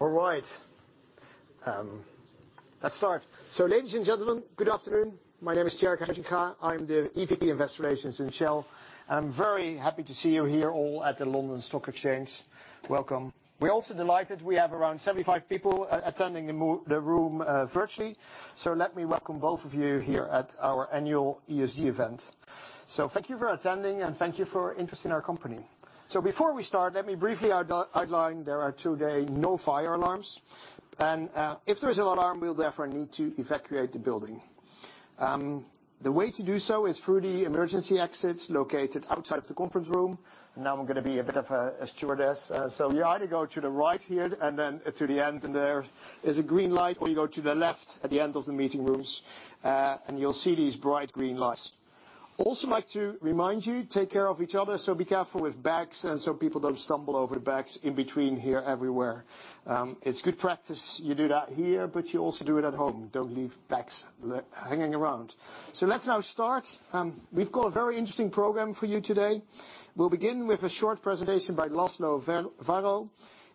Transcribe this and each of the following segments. All right. Let's start. Ladies and gentlemen, good afternoon. My name is Tjerk Huysinga. I'm the EVP of Investor Relations in Shell. I'm very happy to see you here all at the London Stock Exchange. Welcome. We're also delighted we have around 75 people attending in the room virtually. Let me welcome both of you here at our annual ESG event. Thank you for attending, and thank you for interest in our company. Before we start, let me briefly outline there are today no fire alarms. If there is an alarm, we'll therefore need to evacuate the building. The way to do so is through the emergency exits located outside of the conference room. Now I'm gonna be a bit of a stewardess. You either go to the right here and then to the end, and there is a green light, or you go to the left at the end of the meeting rooms. You'll see these bright green lights. Also like to remind you, take care of each other, so be careful with bags and so people don't stumble over bags in between here everywhere. It's good practice you do that here, but you also do it at home. Don't leave bags hanging around. Let's now start. We've got a very interesting program for you today. We'll begin with a short presentation by László Varró.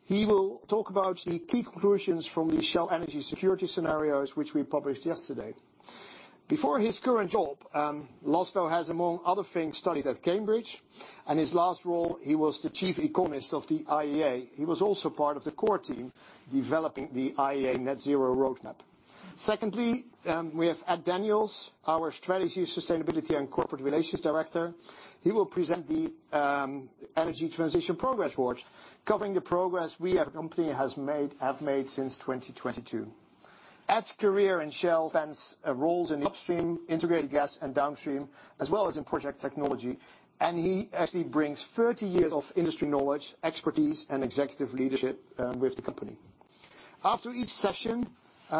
He will talk about the key conclusions from the Shell Energy Security Scenarios, which we published yesterday. Before his current job, László has, among other things, studied at Cambridge, and his last role, he was the chief economist of the IEA. He was also part of the core team developing the IEA Net Zero Roadmap. Secondly, we have Ed Daniels, our Strategy, Sustainability, and Corporate Relations Director. He will present the Energy Transition Progress Report, covering the progress we as a company have made since 2022. Ed's career in Shell spans roles in upstream, integrated gas and downstream, as well as in project technology, and he actually brings 30 years of industry knowledge, expertise, and executive leadership with the company. After each session,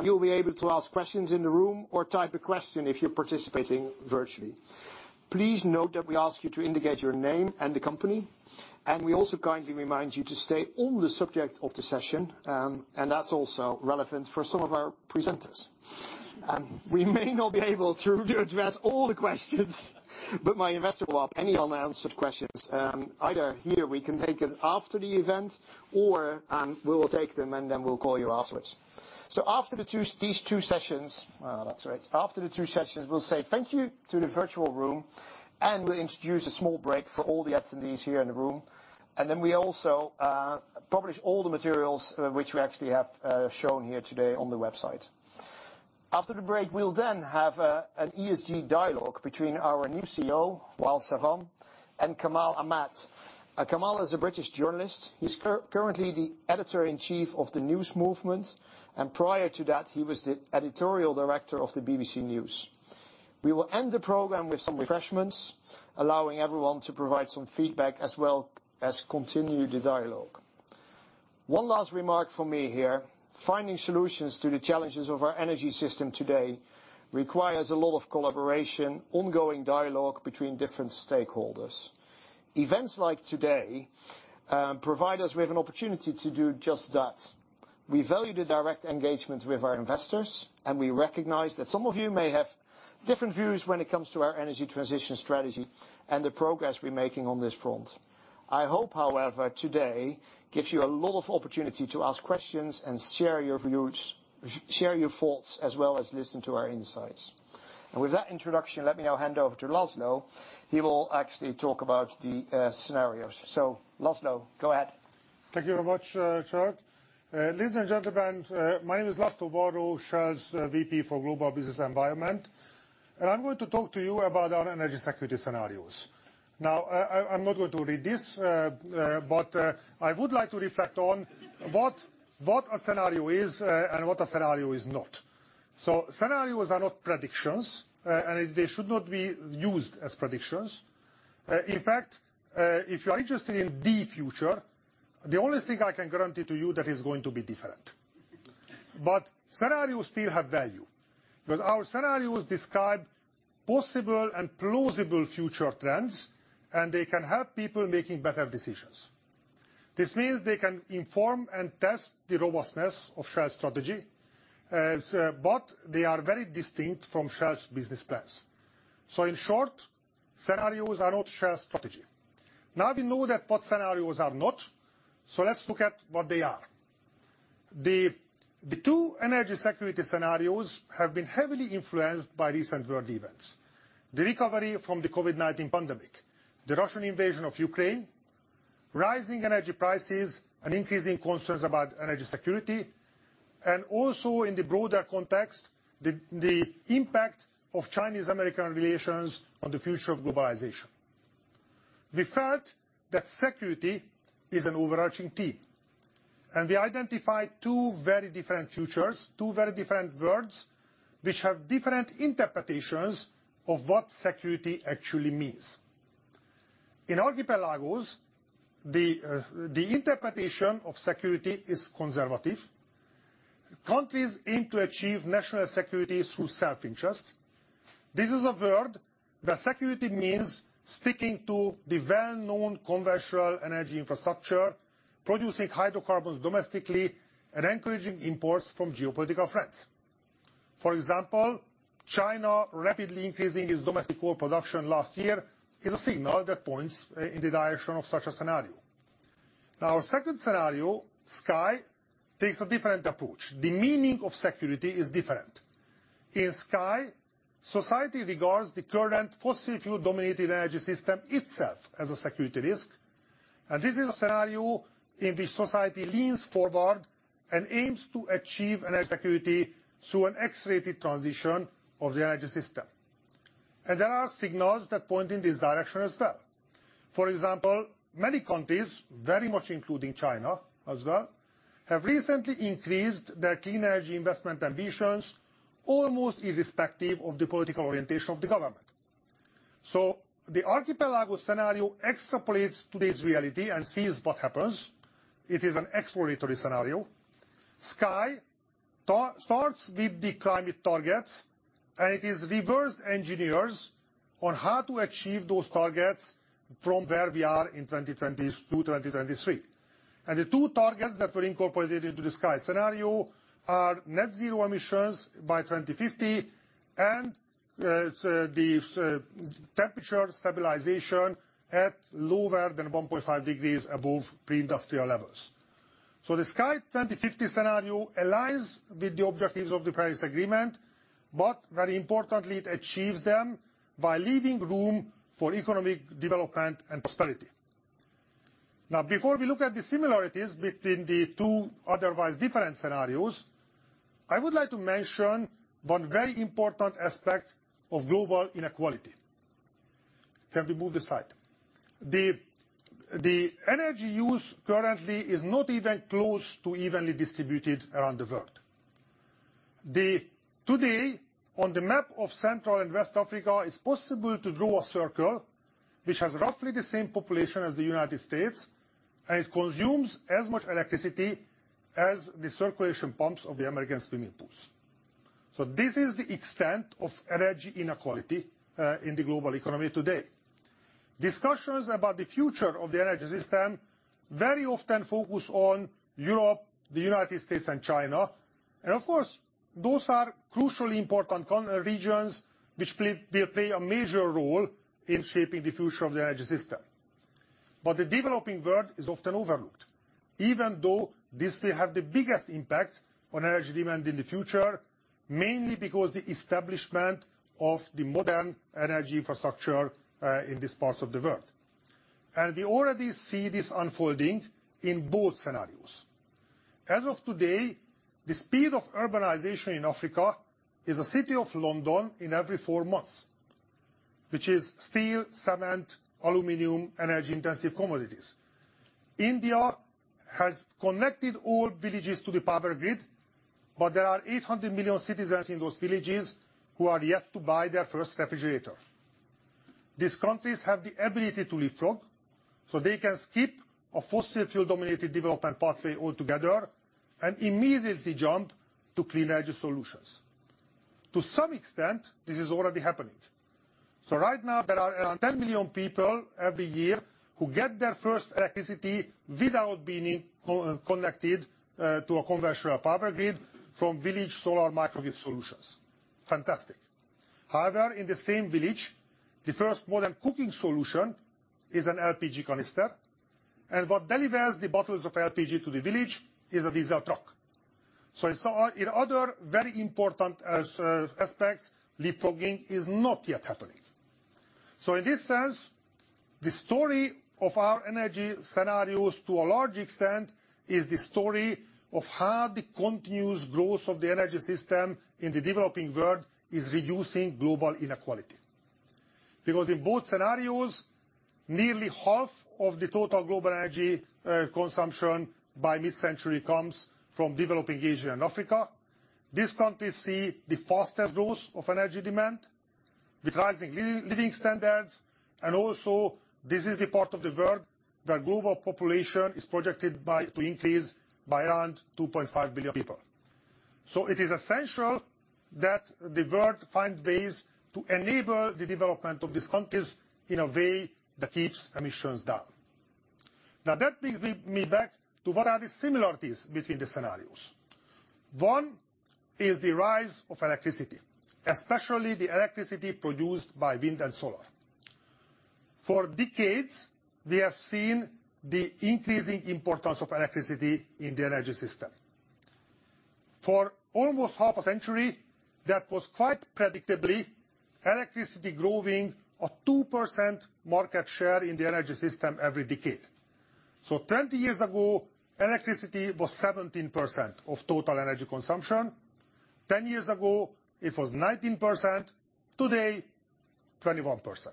you'll be able to ask questions in the room or type a question if you're participating virtually. Please note that we ask you to indicate your name and the company. We also kindly remind you to stay on the subject of the session, and that's also relevant for some of our presenters. We may not be able to address all the questions, but my investor will follow up any unanswered questions. Either here we can take it after the event, or we will take them. We'll call you afterwards. After the two sessions, that's right. After the two sessions, we'll say thank you to the virtual room. We'll introduce a small break for all the attendees here in the room. We also publish all the materials which we actually have shown here today on the website. After the break, we'll then have an ESG dialogue between our new CEO, Wael Sawan, and Kamal Ahmed. Kamal is a British journalist. He's currently the editor-in-chief of The News Movement, and prior to that, he was the editorial director of the BBC News. We will end the program with some refreshments, allowing everyone to provide some feedback as well as continue the dialogue. One last remark from me here, finding solutions to the challenges of our energy system today requires a lot of collaboration, ongoing dialogue between different stakeholders. Events like today provide us with an opportunity to do just that. We value the direct engagement with our investors, and we recognize that some of you may have different views when it comes to our energy transition strategy and the progress we're making on this front. I hope, however, today gives you a lot of opportunity to ask questions and share your views, share your thoughts, as well as listen to our insights. With that introduction, let me now hand over to László. He will actually talk about the scenarios. László, go ahead. Thank you very much, Tjerk. Ladies and gentlemen, my name is László Varró, Shell's VP for Global Business Environment. I'm going to talk to you about our energy security scenarios. Now, I'm not going to read this. I would like to reflect on what a scenario is. What a scenario is not. Scenarios are not predictions. They should not be used as predictions. In fact, if you are interested in the future, the only thing I can guarantee to you, that is going to be different. Scenarios still have value. With our scenarios describe possible and plausible future trends, and they can help people making better decisions. This means they can inform and test the robustness of Shell's strategy. They are very distinct from Shell's business plans. In short, scenarios are not Shell's strategy. We know that what scenarios are not, so let's look at what they are. The two energy security scenarios have been heavily influenced by recent world events. The recovery from the COVID-19 pandemic, the Russian invasion of Ukraine, rising energy prices and increasing concerns about energy security, and also in the broader context, the impact of Chinese-American relations on the future of globalization. We felt that security is an overarching theme. We identified two very different futures, two very different worlds, which have different interpretations of what security actually means. In Archipelagos, the interpretation of security is conservative. Countries aim to achieve national security through self-interest. This is a world where security means sticking to the well-known commercial energy infrastructure, producing hydrocarbons domestically, and encouraging imports from geopolitical friends. For example, China rapidly increasing its domestic oil production last year is a signal that points in the direction of such a scenario. Our second scenario, Sky, takes a different approach. The meaning of security is different. In Sky, society regards the current fossil fuel-dominated energy system itself as a security risk. This is a scenario in which society leans forward and aims to achieve energy security through an X-rated transition of the energy system. There are signals that point in this direction as well. For example, many countries, very much including China as well, have recently increased their clean energy investment ambitions, almost irrespective of the political orientation of the government. The Archipelagos scenario extrapolates today's reality and sees what happens. It is an exploratory scenario. Sky starts with the climate targets, and it is reverse engineers on how to achieve those targets from where we are in 2023. The two targets that were incorporated into the Sky scenario are net zero emissions by 2050 and the temperature stabilization at lower than 1.5 degrees above pre-industrial levels. The Sky 2050 scenario aligns with the objectives of the Paris Agreement, but very importantly, it achieves them by leaving room for economic development and prosperity. Before we look at the similarities between the two otherwise different scenarios, I would like to mention one very important aspect of global inequality. Can we move the slide? The energy use currently is not even close to evenly distributed around the world. Today, on the map of Central and West Africa, it's possible to draw a circle which has roughly the same population as the United States, and it consumes as much electricity as the circulation pumps of the American swimming pools. This is the extent of energy inequality in the global economy today. Discussions about the future of the energy system very often focus on Europe, the United States, and China. Of course, those are crucially important regions which they play a major role in shaping the future of the energy system. The developing world is often overlooked, even though this will have the biggest impact on energy demand in the future, mainly because the establishment of the modern energy infrastructure in these parts of the world. We already see this unfolding in both scenarios. As of today, the speed of urbanization in Africa is a city of London in every four months, which is steel, cement, aluminum, energy-intensive commodities. There are 800 million citizens in those villages who are yet to buy their first refrigerator. They can skip a fossil fuel-dominated development pathway altogether and immediately jump to clean energy solutions. To some extent, this is already happening. Right now, there are around 10 million people every year who get their first electricity without being co-connected to a conventional power grid from village solar microgrid solutions. Fantastic. However, in the same village, the first modern cooking solution is an LPG canister. What delivers the bottles of LPG to the village is a diesel truck. In some, in other very important aspects, leapfrogging is not yet happening. In this sense, the story of our energy scenarios to a large extent is the story of how the continuous growth of the energy system in the developing world is reducing global inequality. In both scenarios, nearly half of the total global energy consumption by mid-century comes from developing Asia and Africa. These countries see the fastest growth of energy demand with rising living standards. Also, this is the part of the world where global population is projected to increase by around 2.5 billion people. It is essential that the world find ways to enable the development of these countries in a way that keeps emissions down. That brings me back to what are the similarities between the scenarios. One is the rise of electricity, especially the electricity produced by wind and solar. For decades, we have seen the increasing importance of electricity in the energy system. For almost half a century, that was quite predictably electricity growing a 2% market share in the energy system every decade. 20 years ago, electricity was 17% of total energy consumption. 10 years ago, it was 19%. Today, 21%.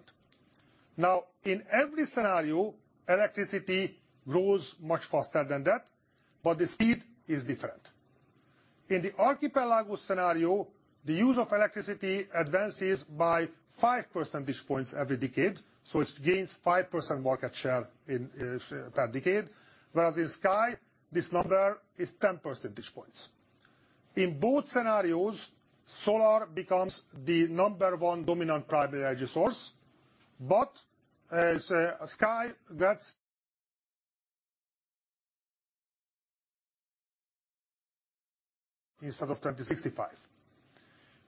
In every scenario, electricity grows much faster than that, but the speed is different. In the Archipelagos scenario, the use of electricity advances by 5 percentage points every decade, so it gains 5% market share per decade. Whereas in Sky, this number is 10 percentage points. In both scenarios, solar becomes the number one dominant primary energy source. Sky, instead of 2065.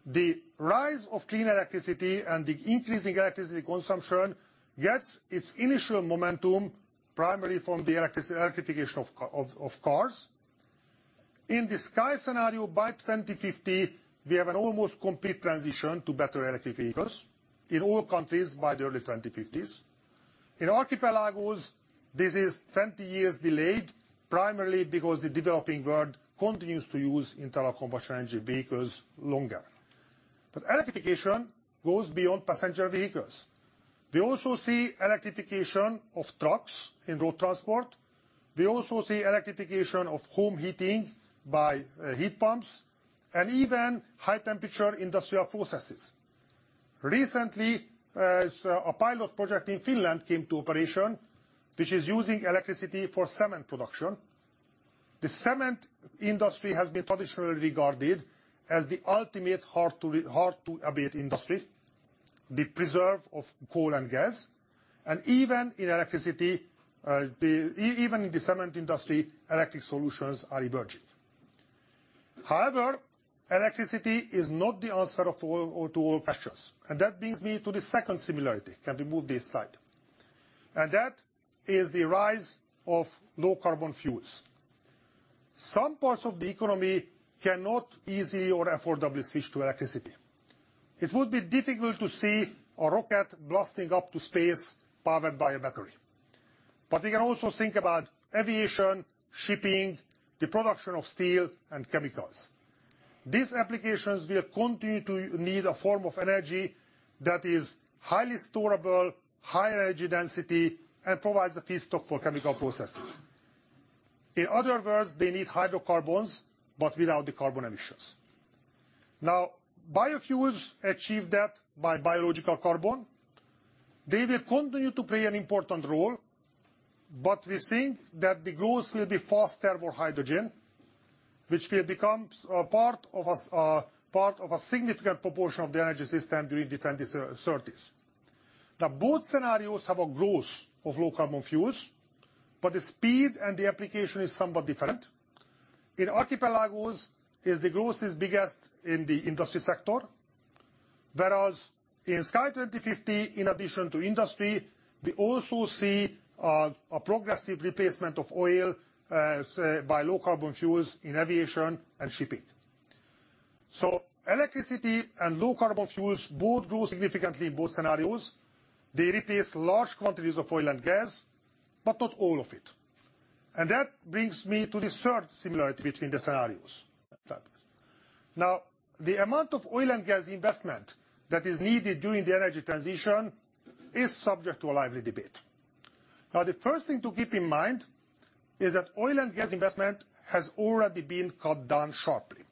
The rise of clean electricity and the increasing electricity consumption gets its initial momentum primarily from the electrification of cars. In the Sky scenario, by 2050, we have an almost complete transition to better electric vehicles in all countries by the early 2050s. In Archipelagos, this is 20 years delayed, primarily because the developing world continues to use internal combustion engine vehicles longer. Electrification goes beyond passenger vehicles. We also see electrification of trucks in road transport. We also see electrification of home heating by heat pumps, and even high-temperature industrial processes. Recently, a pilot project in Finland came to operation, which is using electricity for cement production. The cement industry has been traditionally regarded as the ultimate hard to abate industry, the preserve of coal and gas, and even in electricity, even in the cement industry, electric solutions are emerging. However, electricity is not the answer of oil or to all questions. That brings me to the second similarity. Can we move this slide? That is the rise of low-carbon fuels. Some parts of the economy cannot easily or affordably switch to electricity. It would be difficult to see a rocket blasting up to space powered by a battery. We can also think about aviation, shipping, the production of steel and chemicals. These applications will continue to need a form of energy that is highly storable, high energy density, and provides the feedstock for chemical processes. In other words, they need hydrocarbons, but without the carbon emissions. Biofuels achieve that by biological carbon. They will continue to play an important role, but we think that the growth will be faster for hydrogen, which will becomes a part of a significant proportion of the energy system during the 2030s. Both scenarios have a growth of low-carbon fuels, but the speed and the application is somewhat different. In Archipelagos the growth is biggest in the industry sector, whereas in Sky 2050, in addition to industry, we also see a progressive replacement of oil, say, by low-carbon fuels in aviation and shipping. Electricity and low-carbon fuels both grow significantly in both scenarios. They replace large quantities of oil and gas, but not all of it. That brings me to the third similarity between the scenarios. The amount of oil and gas investment that is needed during the energy transition is subject to a lively debate. The first thing to keep in mind is that oil and gas investment has already been cut down sharply.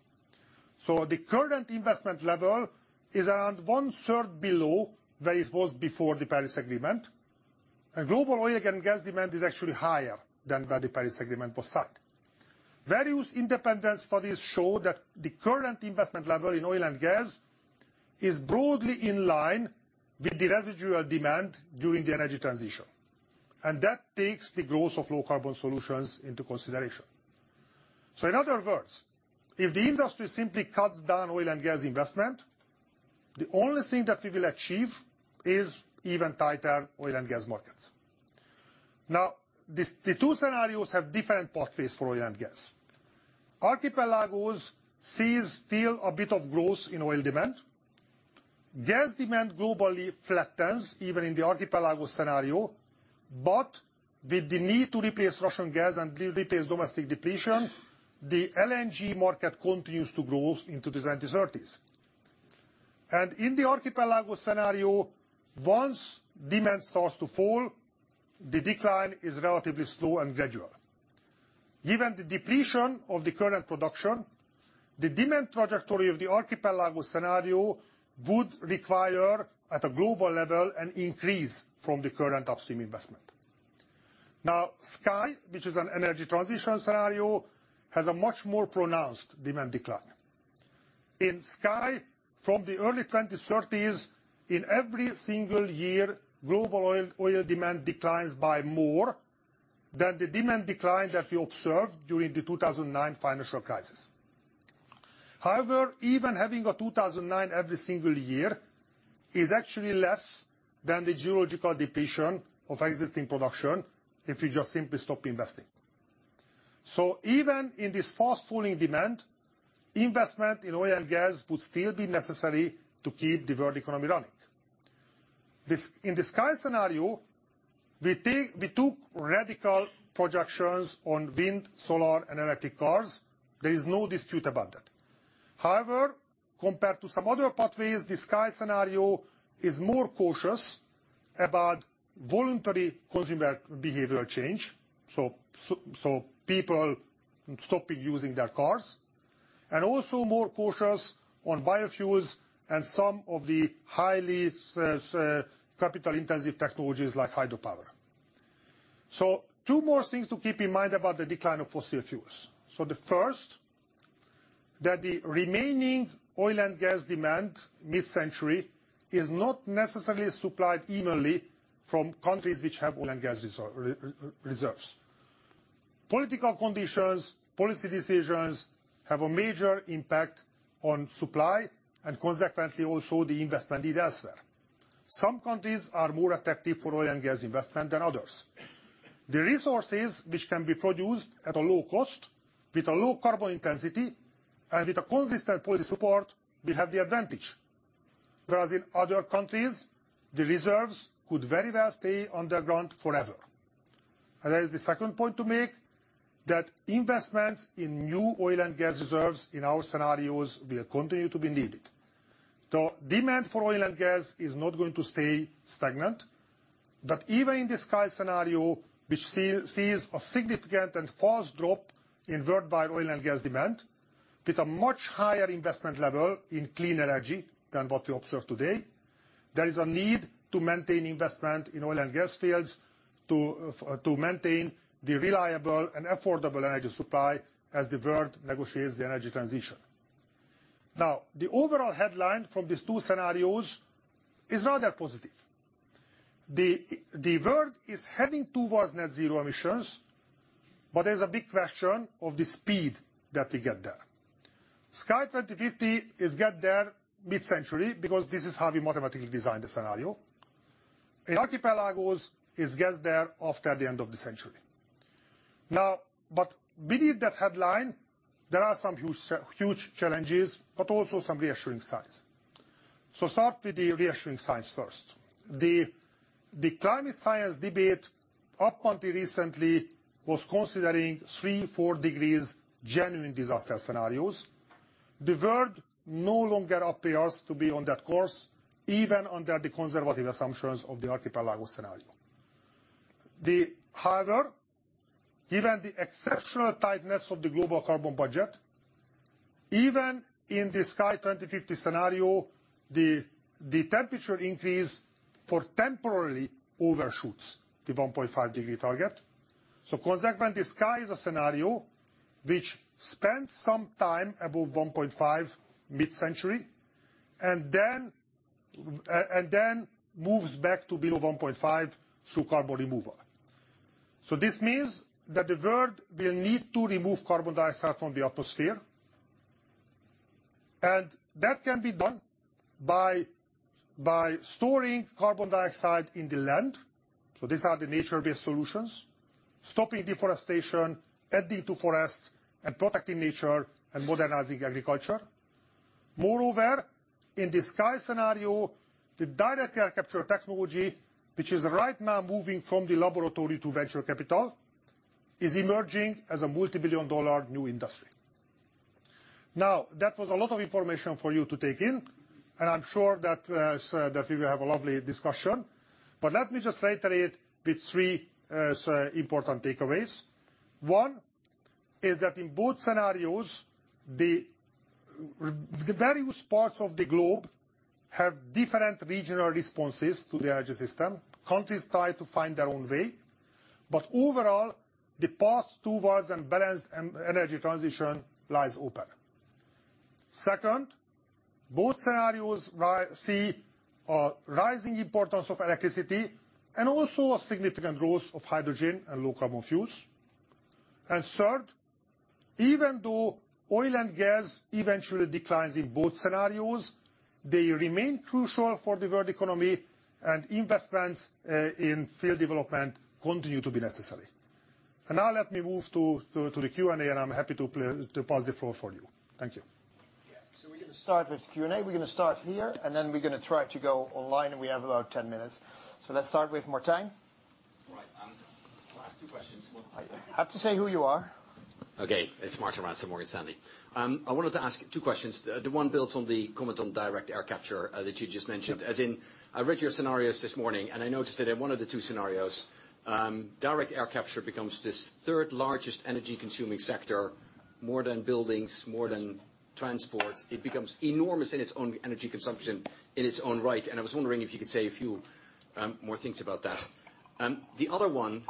The current investment level is around one-third below where it was before the Paris Agreement. Global oil and gas demand is actually higher than where the Paris Agreement was set. Various independent studies show that the current investment level in oil and gas is broadly in line with the residual demand during the energy transition, and that takes the growth of low-carbon solutions into consideration. In other words, if the industry simply cuts down oil and gas investment, the only thing that we will achieve is even tighter oil and gas markets. The two scenarios have different pathways for oil and gas. Archipelagos sees still a bit of growth in oil demand. Gas demand globally flattens even in the Archipelagos scenario, with the need to replace Russian gas and re-replace domestic depletion, the LNG market continues to grow into the 2030s. In the Archipelagos scenario, once demand starts to fall, the decline is relatively slow and gradual. Given the depletion of the current production, the demand trajectory of the Archipelagos scenario would require, at a global level, an increase from the current upstream investment. Now, Sky, which is an energy transition scenario, has a much more pronounced demand decline. In Sky, from the early 2030s, in every single year, global oil demand declines by more than the demand decline that we observed during the 2009 financial crisis. However, even having a 2,009 every single year is actually less than the geological depletion of existing production if you just simply stop investing. Even in this fast-falling demand, investment in oil and gas would still be necessary to keep the world economy running. In the Sky Scenario, we took radical projections on wind, solar, and electric cars. There is no dispute about that. However, compared to some other pathways, the Sky Scenario is more cautious about voluntary consumer behavior change, so people stopping using their cars, and also more cautious on biofuels and some of the highly capital-intensive technologies like hydropower. Two more things to keep in mind about the decline of fossil fuels. The first that the remaining oil and gas demand mid-century is not necessarily supplied evenly from countries which have oil and gas reserves. Political conditions, policy decisions, have a major impact on supply, and consequently also the investment needs elsewhere. Some countries are more attractive for oil and gas investment than others. The resources which can be produced at a low cost with a low carbon intensity and with a consistent policy support will have the advantage, whereas in other countries, the reserves could very well stay underground forever. That is the second point to make, that investments in new oil and gas reserves in our scenarios will continue to be needed. The demand for oil and gas is not going to stay stagnant. Even in the Sky scenario, which sees a significant and fast drop in worldwide oil and gas demand, with a much higher investment level in clean energy than what we observe today, there is a need to maintain investment in oil and gas fields to maintain the reliable and affordable energy supply as the world negotiates the energy transition. The overall headline from these two scenarios is rather positive. The world is heading towards net zero emissions. There's a big question of the speed that we get there. Sky 2050 is get there mid-century because this is how we mathematically designed the scenario. In Archipelagos is gets there after the end of the century. Beneath that headline, there are some huge challenges, also some reassuring signs. Start with the reassuring signs first. The climate science debate up until recently was considering three, four degrees genuine disaster scenarios. The world no longer appears to be on that course, even under the conservative assumptions of the Archipelagos scenario. However, given the exceptional tightness of the global carbon budget, even in the Sky 2050 scenario, the temperature increase temporarily overshoots the 1.5 degree target. Consequently, Sky is a scenario which spends some time above 1.5 degree mid-century, and then moves back to below 1.5 degree through carbon removal. This means that the world will need to remove carbon dioxide from the atmosphere. That can be done by storing carbon dioxide in the land. These are the nature-based solutions: stopping deforestation, adding to forests, and protecting nature, and modernizing agriculture. Moreover, in the Sky scenario, the direct air capture technology, which is right now moving from the laboratory to venture capital, is emerging as a multibillion-dollar new industry. That was a lot of information for you to take in, and I'm sure that we will have a lovely discussion. Let me just reiterate with three important takeaways. One is that in both scenarios, the various parts of the globe have different regional responses to the energy system. Countries try to find their own way. Overall, the path towards a balanced energy transition lies open. Second, both scenarios see a rising importance of electricity and also a significant growth of hydrogen and low carbon fuels. Third, even though oil and gas eventually declines in both scenarios, they remain crucial for the world economy and investments in field development continue to be necessary. Now let me move to the Q&A. I'm happy to pass the floor for you. Thank you. Yeah. We're gonna start with Q&A. We're gonna start here, and then we're gonna try to go online, and we have about 10 minutes. Let's start with Martijn. All right. I'm going to ask two questions. You have to say who you are. Okay. It's Martijn Rats, Morgan Stanley. I wanted to ask two questions. The one builds on the comment on direct air capture, that you just mentioned. Yeah. I read your scenarios this morning. I noticed that in one of the two scenarios, direct air capture becomes this third-largest energy-consuming sector, more than buildings, more than transport. It becomes enormous in its own energy consumption in its own right. I was wondering if you could say a few more things about that. The other one,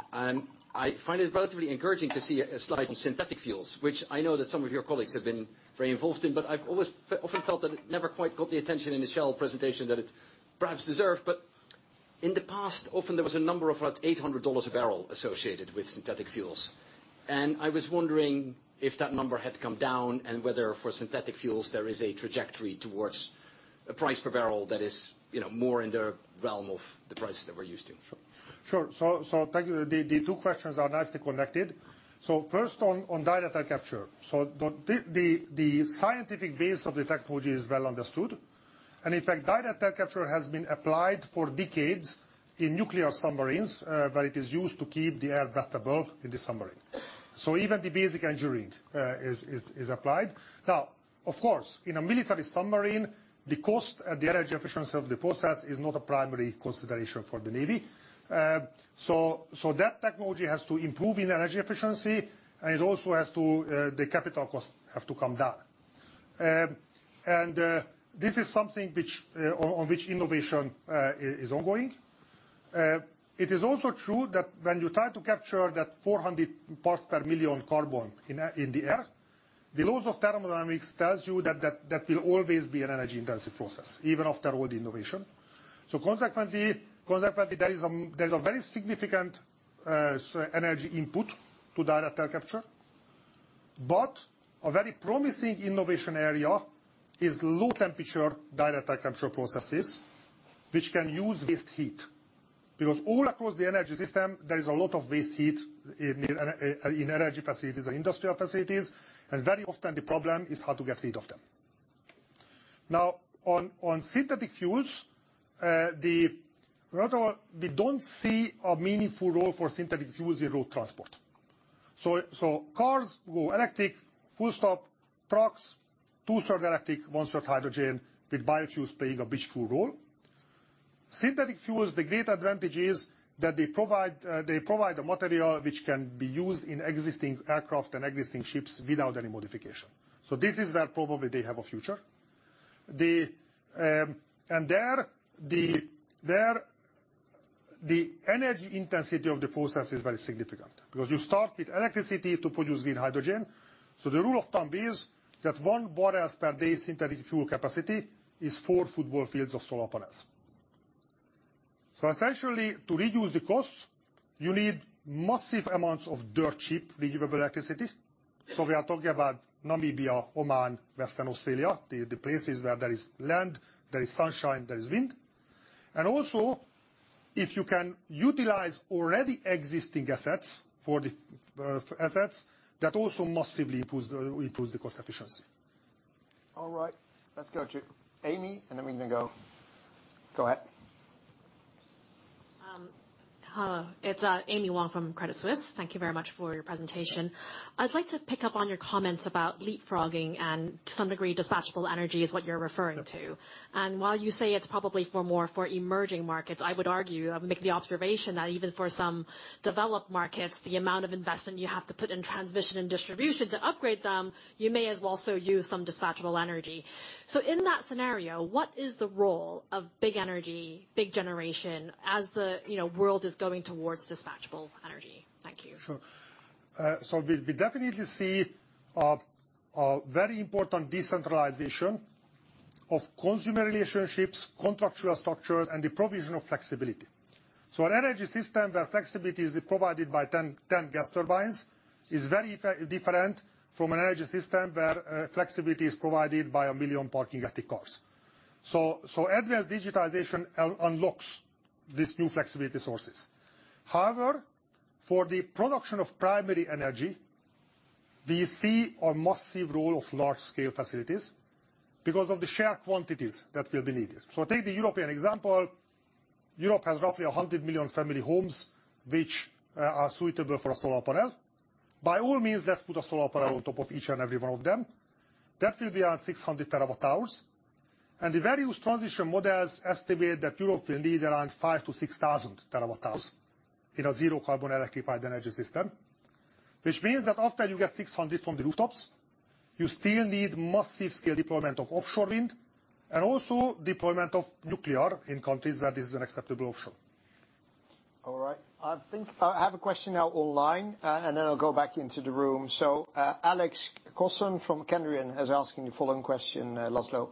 I find it relatively encouraging to see a slide on synthetic fuels, which I know that some of your colleagues have been very involved in, but I've always often felt that it never quite got the attention in the Shell presentation that it perhaps deserved. In the past, often there was a number of about $800 a barrel associated with synthetic fuels. I was wondering if that number had come down and whether for synthetic fuels there is a trajectory towards a price per barrel that is, you know, more in the realm of the prices that we're used to. Sure. Thank you. The two questions are nicely connected. First on direct air capture. The scientific base of the technology is well understood. In fact, direct air capture has been applied for decades in nuclear submarines, where it is used to keep the air breathable in the submarine. Even the basic engineering is applied. Of course, in a military submarine, the cost, the energy efficiency of the process is not a primary consideration for the navy. That technology has to improve in energy efficiency, and it also has to, the capital costs have to come down. This is something which, on which innovation is ongoing. It is also true that when you try to capture that 400 parts per million carbon in the air, the laws of thermodynamics tells you that will always be an energy-intensive process, even after all the innovation. Consequently there's a very significant energy input to direct air capture. A very promising innovation area is low temperature direct air capture processes which can use waste heat. All across the energy system there is a lot of waste heat in energy facilities and industrial facilities, and very often the problem is how to get rid of them. On synthetic fuels, we don't see a meaningful role for synthetic fuels in road transport. Cars go electric, full stop. Trucks, two-thirds electric, one-third hydrogen with biofuels playing a blissful role. Synthetic fuels, the great advantage is that they provide a material which can be used in existing aircraft and existing ships without any modification. This is where probably they have a future. There the energy intensity of the process is very significant, because you start with electricity to produce green hydrogen. The rule of thumb is that 1 bpd synthetic fuel capacity is four football fields of solar panels. Essentially to reduce the costs, you need massive amounts of dirt cheap renewable electricity. We are talking about Namibia, Oman, Western Australia, the places where there is land, there is sunshine, there is wind. Also if you can utilize already existing assets for the assets, that also massively improves the cost efficiency. All right. Let's go to Amy. Go ahead. Hello. It's Amy Wong from Credit Suisse. Thank you very much for your presentation. I'd like to pick up on your comments about leapfrogging and to some degree dispatchable energy is what you're referring to. Yeah. While you say it's probably for more for emerging markets, I would argue, make the observation that even for some developed markets, the amount of investment you have to put in transmission and distribution to upgrade them, you may as well so use some dispatchable energy. In that scenario, what is the role of big energy, big generation as the, you know, world is going towards dispatchable energy? Thank you. Sure. We definitely see a very important decentralization of consumer relationships, contractual structures, and the provision of flexibility. An energy system where flexibility is provided by 10 gas turbines is very different from an energy system where flexibility is provided by 1 million parking electric cars. Advanced digitization unlocks these new flexibility sources. However, for the production of primary energy, we see a massive role of large scale facilities because of the sheer quantities that will be needed. Take the European example. Europe has roughly 100 million family homes which are suitable for a solar panel. By all means, let's put a solar panel on top of each and every one of them. That will be around 600 TWh. The various transition models estimate that Europe will need around 5,000-6,000 TWh in a zero carbon electrified energy system. That means that after you get 600 from the rooftops, you still need massive scale deployment of offshore wind and also deployment of nuclear in countries where this is an acceptable option. All right. I think I have a question now online, and then I'll go back into the room. Alex Cosson from Kendrion is asking the following question, László.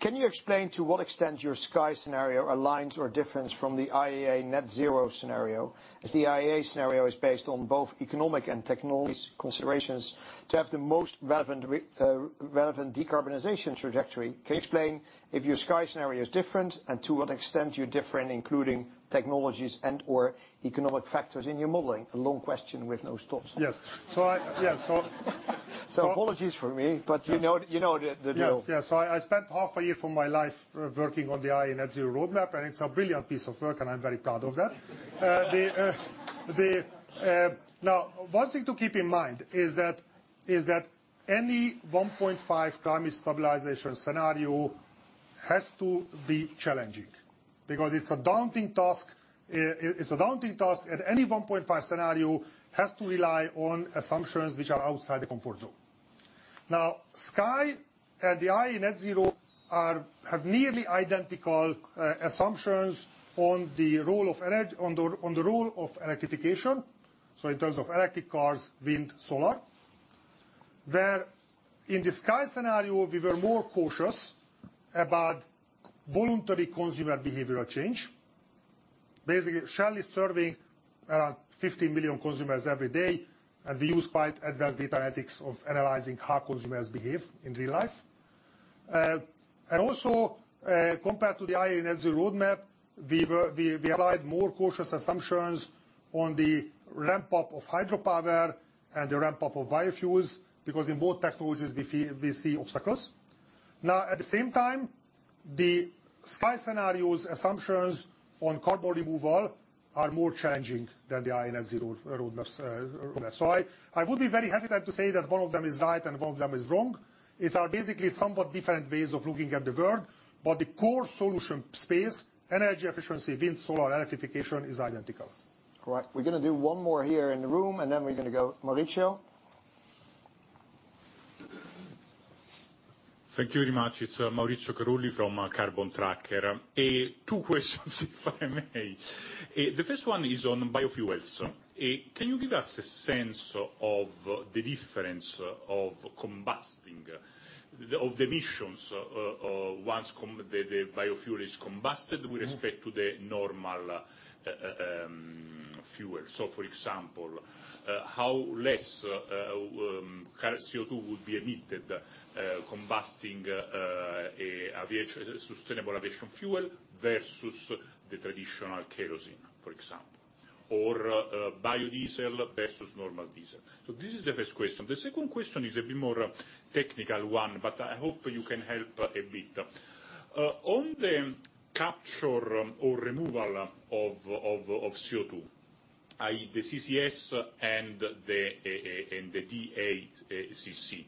Can you explain to what extent your Sky scenario aligns or differs from the IEA Net Zero scenario, as the IEA scenario is based on both economic and technologies considerations to have the most relevant decarbonization trajectory. Can you explain if your Sky scenario is different, and to what extent you're different, including technologies and/or economic factors in your modeling? A long question with no stops. Yes. Yes. Apologies from me, but you know, you know the drill. Yes, yes. I spent half a year of my life working on the IEA Net Zero Roadmap, and it's a brilliant piece of work, and I'm very proud of that. One thing to keep in mind is that any 1.5 climate stabilization scenario has to be challenging because it's a daunting task. Any 1.5 scenario has to rely on assumptions which are outside the comfort zone. Sky, the IEA Net Zero have nearly identical assumptions on the role of electrification, so in terms of electric cars, wind, solar, where in the Sky scenario we were more cautious about voluntary consumer behavioral change. Basically, Shell is serving around 50 million consumers every day, and we use quite advanced data analytics of analyzing how consumers behave in real life. Also, compared to the IEA Net Zero Roadmap, we applied more cautious assumptions on the ramp up of hydropower and the ramp up of biofuels because in both technologies we see obstacles. Now, at the same time, the Sky scenario's assumptions on carbon removal are more challenging than the IEA Net Zero Roadmap's roadmap. I would be very hesitant to say that one of them is right and one of them is wrong. These are basically somewhat different ways of looking at the world. The core solution space, energy efficiency, wind, solar, electrification is identical. All right. We're gonna do one more here in the room, and then we're gonna go Maurizio Thank you very much. It's Maurizio Carulli from Carbon Tracker. Two questions, if I may. The first one is on biofuels. Can you give us a sense of the difference of combusting, of the emissions, once the biofuel is combusted with respect to the normal fuel? For example, how less CO2 would be emitted combusting a sustainable aviation fuel versus the traditional kerosene, for example. Or biodiesel versus normal diesel. This is the first question. The second question is a bit more technical one, but I hope you can help a bit. On the capture or removal of CO2, i.e., the CCS and the DAC.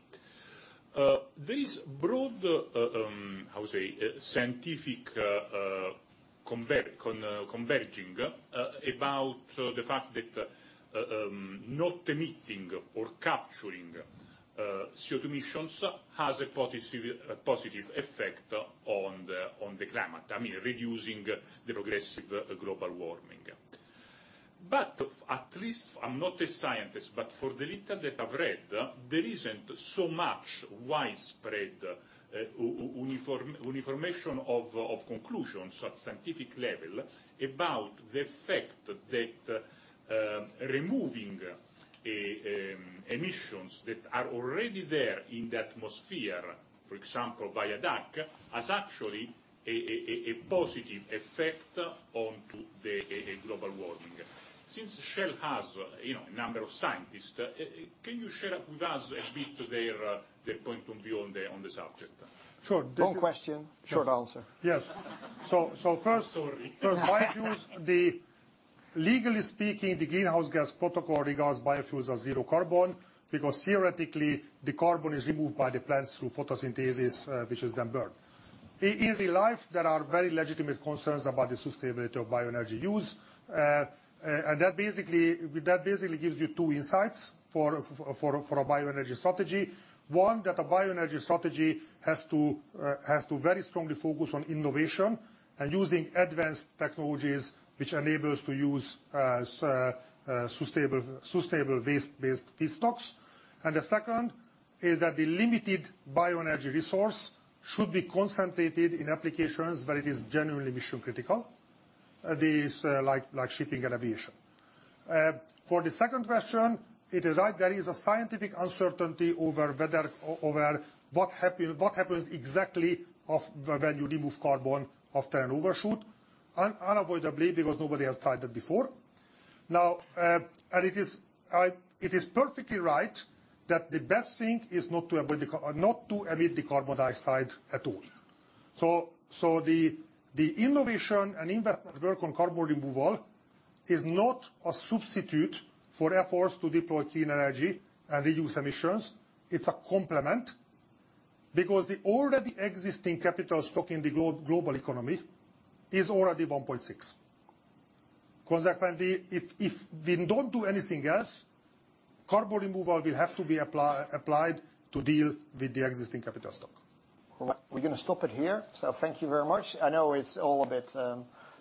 There is broad, how you say, scientific converging about the fact that not emitting or capturing CO2 emissions has a positive effect on the climate. I mean, reducing the progressive global warming. At least, I'm not a scientist, but for the little that I've read, there isn't so much widespread uniformation of conclusions at scientific level about the fact that removing emissions that are already there in the atmosphere, for example, via DAC, has actually a positive effect onto the global warming. Since Shell has, you know, a number of scientists, can you share with us a bit their point of view on the subject? Sure. Long question, short answer. Yes. Sorry. First, biofuels, Legally speaking, the Greenhouse Gas Protocol regards biofuels as zero carbon, because theoretically, the carbon is removed by the plants through photosynthesis, which is then burned. In real life, there are very legitimate concerns about the sustainability of bioenergy use. That basically, that basically gives you two insights for, for a bioenergy strategy. One, that a bioenergy strategy has to, has to very strongly focus on innovation and using advanced technologies which enable us to use, sustainable waste-based feedstocks. The second is that the limited bioenergy resource should be concentrated in applications where it is genuinely mission-critical, these, like shipping and aviation. For the second question, it is right, there is a scientific uncertainty over whether over what happens exactly of when you remove carbon after an overshoot. Unavoidably, because nobody has tried that before. Now, it is perfectly right that the best thing is not to emit the carbon dioxide at all. The innovation and investment work on carbon removal is not a substitute for efforts to deploy clean energy and reduce emissions. It's a complement, because the already existing capital stock in the global economy is already 1.6. Consequently, if we don't do anything else, carbon removal will have to be applied to deal with the existing capital stock. We're gonna stop it here. Thank you very much. I know it's all a bit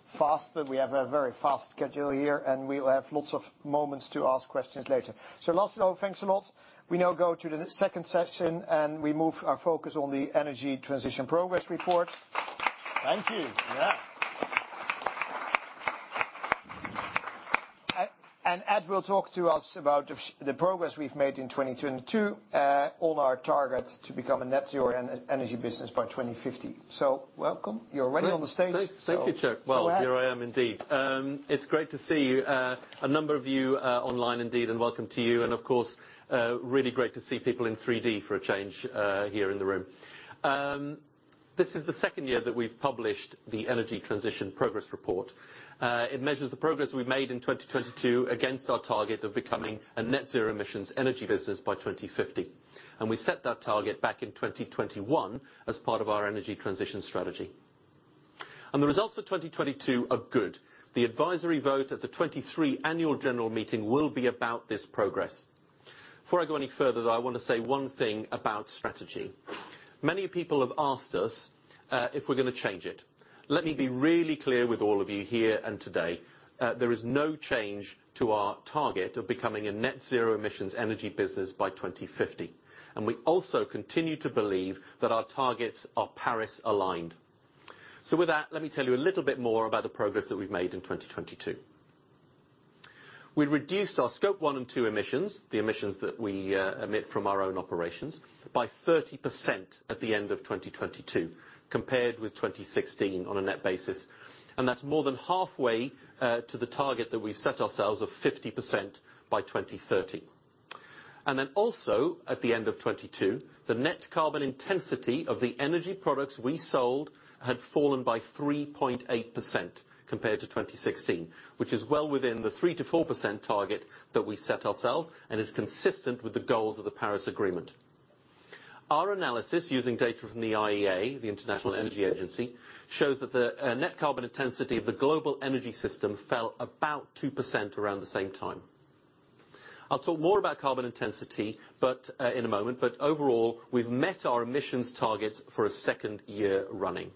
fast, but we have a very fast schedule here, and we'll have lots of moments to ask questions later. Last of all, thanks a lot. We now go to the second session, and we move our focus on the Energy Transition Progress Report. Thank you. Yeah. And Ed will talk to us about the progress we've made in 2022 on our targets to become a net zero energy business by 2050. Welcome. You're ready on the stage. Great. Thank you, Tjerk. Well, here I am indeed. It's great to see you, a number of you, online indeed, and welcome to you. Of course, really great to see people in 3D for a change, here in the room. This is the second year that we've published the Energy Transition Progress Report. It measures the progress we made in 2022 against our target of becoming a net zero emissions energy business by 2050. We set that target back in 2021 as part of our energy transition strategy. The results for 2022 are good. The advisory vote at the 23 annual general meeting will be about this progress. Before I go any further, though, I wanna say one thing about strategy. Many people have asked us, if we're gonna change it. Let me be really clear with all of you here and today. There is no change to our target of becoming a net zero emissions energy business by 2050. We also continue to believe that our targets are Paris-aligned. With that, let me tell you a little bit more about the progress that we've made in 2022. We reduced our Scope 1 and Scope 2 emissions, the emissions that we emit from our own operations, by 30% at the end of 2022, compared with 2016 on a net basis. That's more than halfway to the target that we've set ourselves of 50% by 2030. Also, at the end of 2022, the net carbon intensity of the energy products we sold had fallen by 3.8% compared to 2016, which is well within the 3%-4% target that we set ourselves and is consistent with the goals of the Paris Agreement. Our analysis, using data from the IEA, the International Energy Agency, shows that the net carbon intensity of the global energy system fell about 2% around the same time. I'll talk more about carbon intensity, but in a moment. Overall, we've met our emissions targets for a second year running.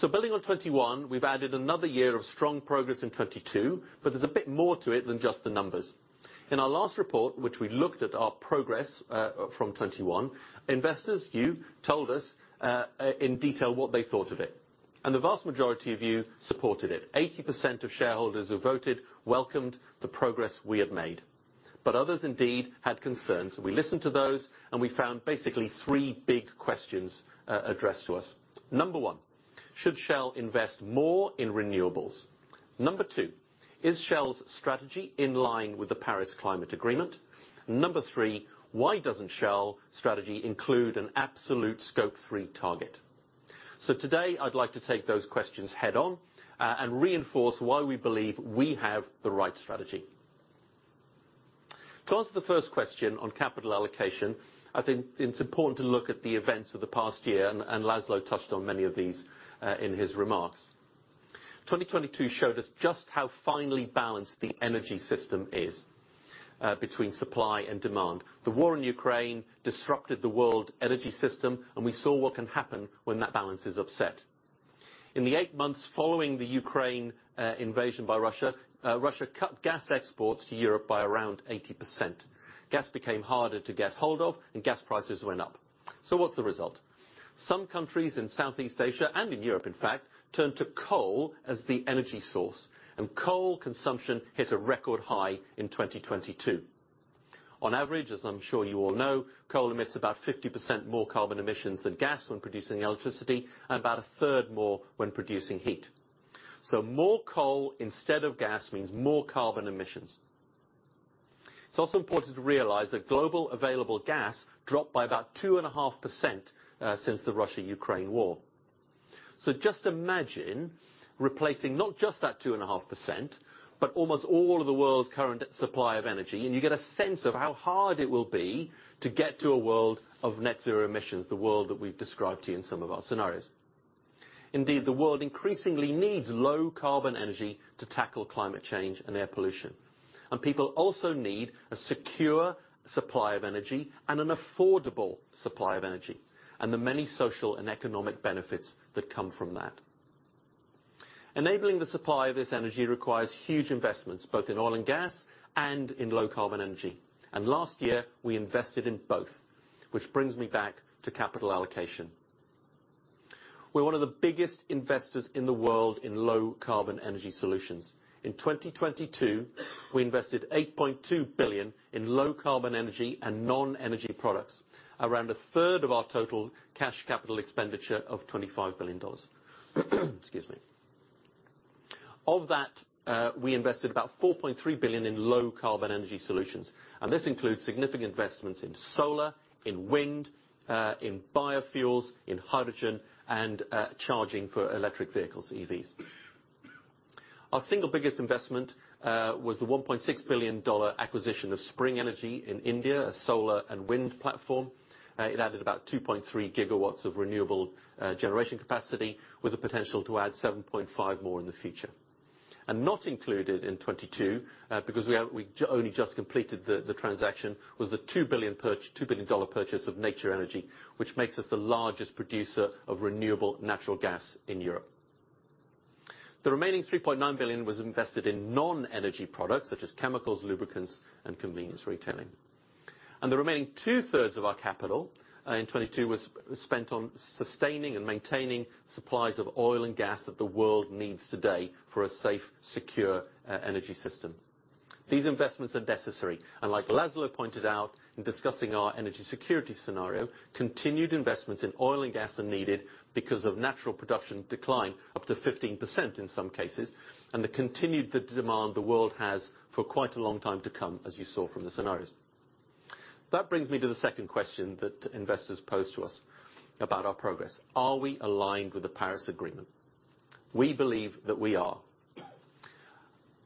Building on 2021, we've added another year of strong progress in 2022, but there's a bit more to it than just the numbers. In our last report, which we looked at our progress, from 21, investors, you, told us in detail what they thought of it, and the vast majority of you supported it. 80% of shareholders who voted welcomed the progress we have made. Others indeed had concerns. We listened to those, and we found basically three big questions addressed to us. Number one, should Shell invest more in renewables? Number two, is Shell's strategy in line with the Paris Agreement? Number three, why doesn't Shell strategy include an absolute Scope 3 target? Today, I'd like to take those questions head-on and reinforce why we believe we have the right strategy. To answer the first question on capital allocation, I think it's important to look at the events of the past year, and László touched on many of these in his remarks. 2022 showed us just how finely balanced the energy system is between supply and demand. The war in Ukraine disrupted the world energy system, and we saw what can happen when that balance is upset. In the eight months following the Ukraine invasion by Russia cut gas exports to Europe by around 80%. Gas became harder to get hold of, and gas prices went up. What's the result? Some countries in Southeast Asia and in Europe, in fact, turned to coal as the energy source, and coal consumption hit a record high in 2022. On average, as I'm sure you all know, coal emits about 50% more carbon emissions than gas when producing electricity and about a third more when producing heat. More coal instead of gas means more carbon emissions. It's also important to realize that global available gas dropped by about 2.5% since the Russia-Ukraine war. Just imagine replacing not just that 2.5%, but almost all of the world's current supply of energy, and you get a sense of how hard it will be to get to a world of net zero emissions, the world that we've described to you in some of our scenarios. Indeed, the world increasingly needs low carbon energy to tackle climate change and air pollution. People also need a secure supply of energy and an affordable supply of energy, and the many social and economic benefits that come from that. Enabling the supply of this energy requires huge investments, both in oil and gas and in low carbon energy. Last year, we invested in both, which brings me back to capital allocation. We're one of the biggest investors in the world in low carbon energy solutions. In 2022, we invested $8.2 billion in low carbon energy and non-energy products, around a third of our total cash capital expenditure of $25 billion. Excuse me. Of that, we invested about $4.3 billion in low carbon energy solutions, and this includes significant investments in solar, in wind, in biofuels, in hydrogen, and charging for electric vehicles, EVs. Our single biggest investment was the $1.6 billion dollar acquisition of Sprng Energy in India, a solar and wind platform. It added about 2.3 GW of renewable generation capacity with the potential to add 7.5 more in the future. Not included in 2022, because we only just completed the transaction, was the $2 billion purchase of Nature Energy, which makes us the largest producer of renewable natural gas in Europe. The remaining $3.9 billion was invested in non-energy products such as chemicals, lubricants, and convenience retailing. The remaining two-thirds of our capital in 2022 was spent on sustaining and maintaining supplies of oil and gas that the world needs today for a safe, secure energy system. These investments are necessary, and like László pointed out in discussing our energy security scenario, continued investments in oil and gas are needed because of natural production decline, up to 15% in some cases, and the continued demand the world has for quite a long time to come, as you saw from the scenarios. That brings me to the second question that investors pose to us about our progress. Are we aligned with the Paris Agreement? We believe that we are.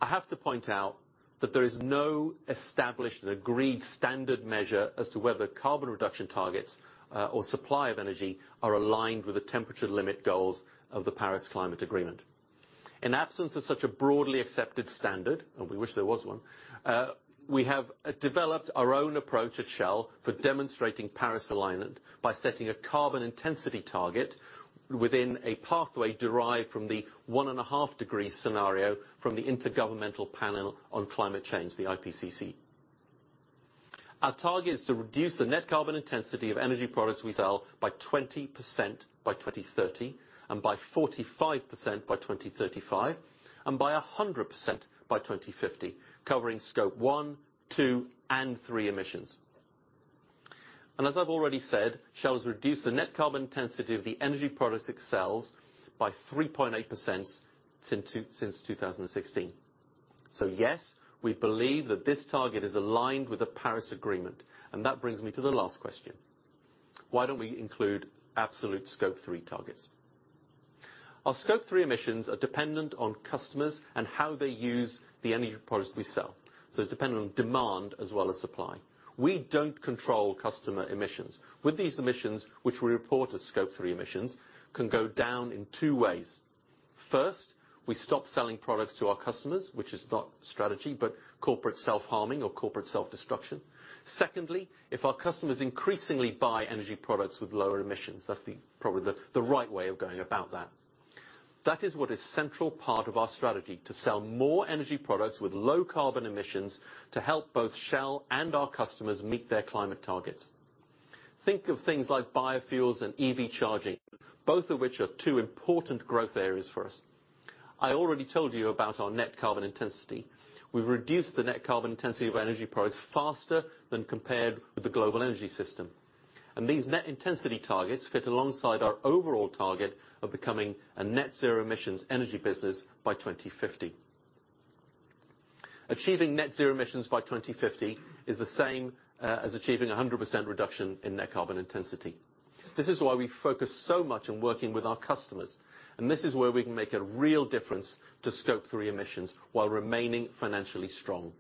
I have to point out that there is no established and agreed standard measure as to whether carbon reduction targets, or supply of energy are aligned with the temperature limit goals of the Paris Climate Agreement. In absence of such a broadly accepted standard, and we wish there was one, we have developed our own approach at Shell for demonstrating Paris alignment by setting a carbon intensity target within a pathway derived from the 1.5 degree scenario from the Intergovernmental Panel on Climate Change, the IPCC. Our target is to reduce the net carbon intensity of energy products we sell by 20% by 2030, and by 45% by 2035, and by 100% by 2050, covering Scope 1, Scope 2, and Scope 3 emissions. As I've already said, Shell's reduced the net carbon intensity of the energy products it sells by 3.8% since 2016. Yes, we believe that this target is aligned with the Paris Agreement, and that brings me to the last question. Why don't we include absolute Scope 3 targets? Our Scope 3 emissions are dependent on customers and how they use the energy products we sell, so it's dependent on demand as well as supply. We don't control customer emissions. With these emissions, which we report as Scope 3 emissions, can go down in two ways. First, we stop selling products to our customers, which is not strategy, but corporate self-harming or corporate self-destruction. Secondly, if our customers increasingly buy energy products with lower emissions, that's probably the right way of going about that. That is what a central part of our strategy, to sell more energy products with low carbon emissions to help both Shell and our customers meet their climate targets. Think of things like biofuels and EV charging, both of which are two important growth areas for us. I already told you about our net carbon intensity. We've reduced the net carbon intensity of our energy products faster than compared with the global energy system. These net intensity targets fit alongside our overall target of becoming a net zero emissions energy business by 2050. Achieving net zero emissions by 2050 is the same as achieving a 100% reduction in net carbon intensity. This is why we focus so much on working with our customers, and this is where we can make a real difference to Scope 3 emissions while remaining financially strong.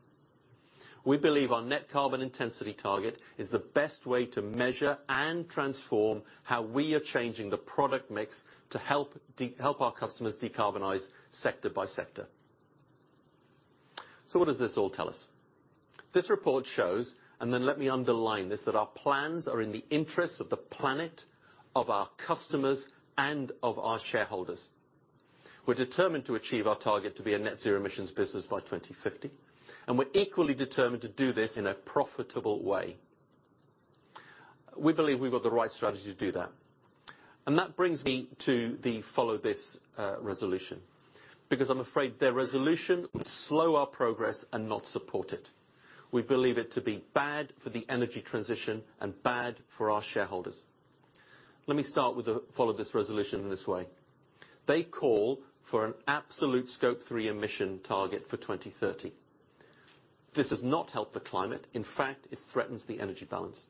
We believe our net carbon intensity target is the best way to measure and transform how we are changing the product mix to help our customers decarbonize sector by sector. What does this all tell us? This report shows, let me underline this, that our plans are in the interest of the planet, of our customers, and of our shareholders. We're determined to achieve our target to be a net zero emissions business by 2050, and we're equally determined to do this in a profitable way. We believe we've got the right strategy to do that. That brings me to the Follow This resolution. I'm afraid their resolution would slow our progress and not support it. We believe it to be bad for the energy transition and bad for our shareholders. Let me start with the Follow This resolution in this way. They call for an absolute Scope 3 emission target for 2030. This does not help the climate. In fact, it threatens the energy balance.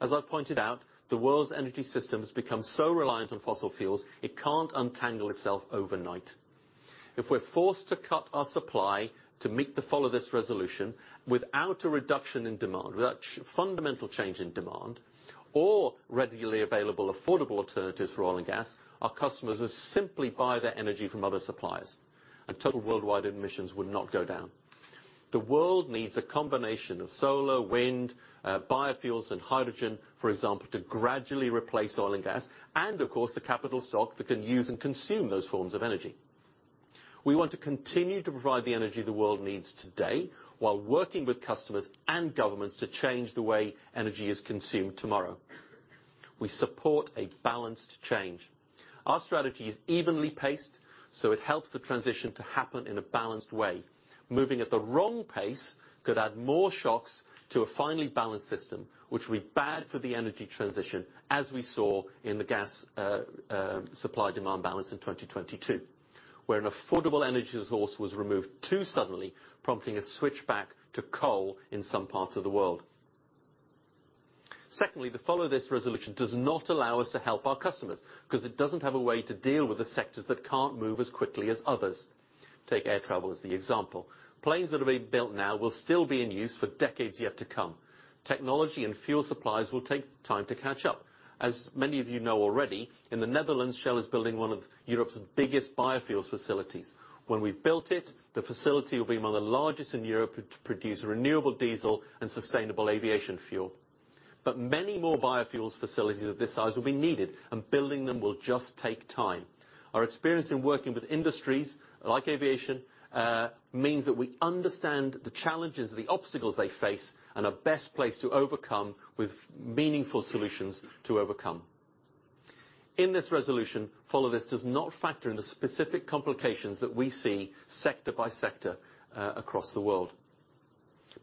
As I've pointed out, the world's energy system has become so reliant on fossil fuels, it can't untangle itself overnight. If we're forced to cut our supply to meet the Follow This resolution without a reduction in demand, without fundamental change in demand or readily available affordable alternatives for oil and gas, our customers will simply buy their energy from other suppliers. Total worldwide emissions would not go down. The world needs a combination of solar, wind, biofuels and hydrogen, for example, to gradually replace oil and gas. Of course, the capital stock that can use and consume those forms of energy. We want to continue to provide the energy the world needs today while working with customers and governments to change the way energy is consumed tomorrow. We support a balanced change. Our strategy is evenly paced. It helps the transition to happen in a balanced way. Moving at the wrong pace could add more shocks to a finely balanced system, which will be bad for the energy transition, as we saw in the gas supply-demand balance in 2022, where an affordable energy source was removed too suddenly, prompting a switch back to coal in some parts of the world. Secondly, the Follow This resolution does not allow us to help our customers 'cause it doesn't have a way to deal with the sectors that can't move as quickly as others. Take air travel as the example. Planes that are being built now will still be in use for decades yet to come. Technology and fuel supplies will take time to catch up. As many of you know already, in the Netherlands, Shell is building one of Europe's biggest biofuels facilities. When we've built it, the facility will be among the largest in Europe to produce renewable diesel and sustainable aviation fuel. Many more biofuels facilities of this size will be needed, and building them will just take time. Our experience in working with industries like aviation means that we understand the challenges, the obstacles they face and are best placed to overcome with meaningful solutions to overcome. In this resolution, Follow This does not factor in the specific complications that we see sector by sector across the world.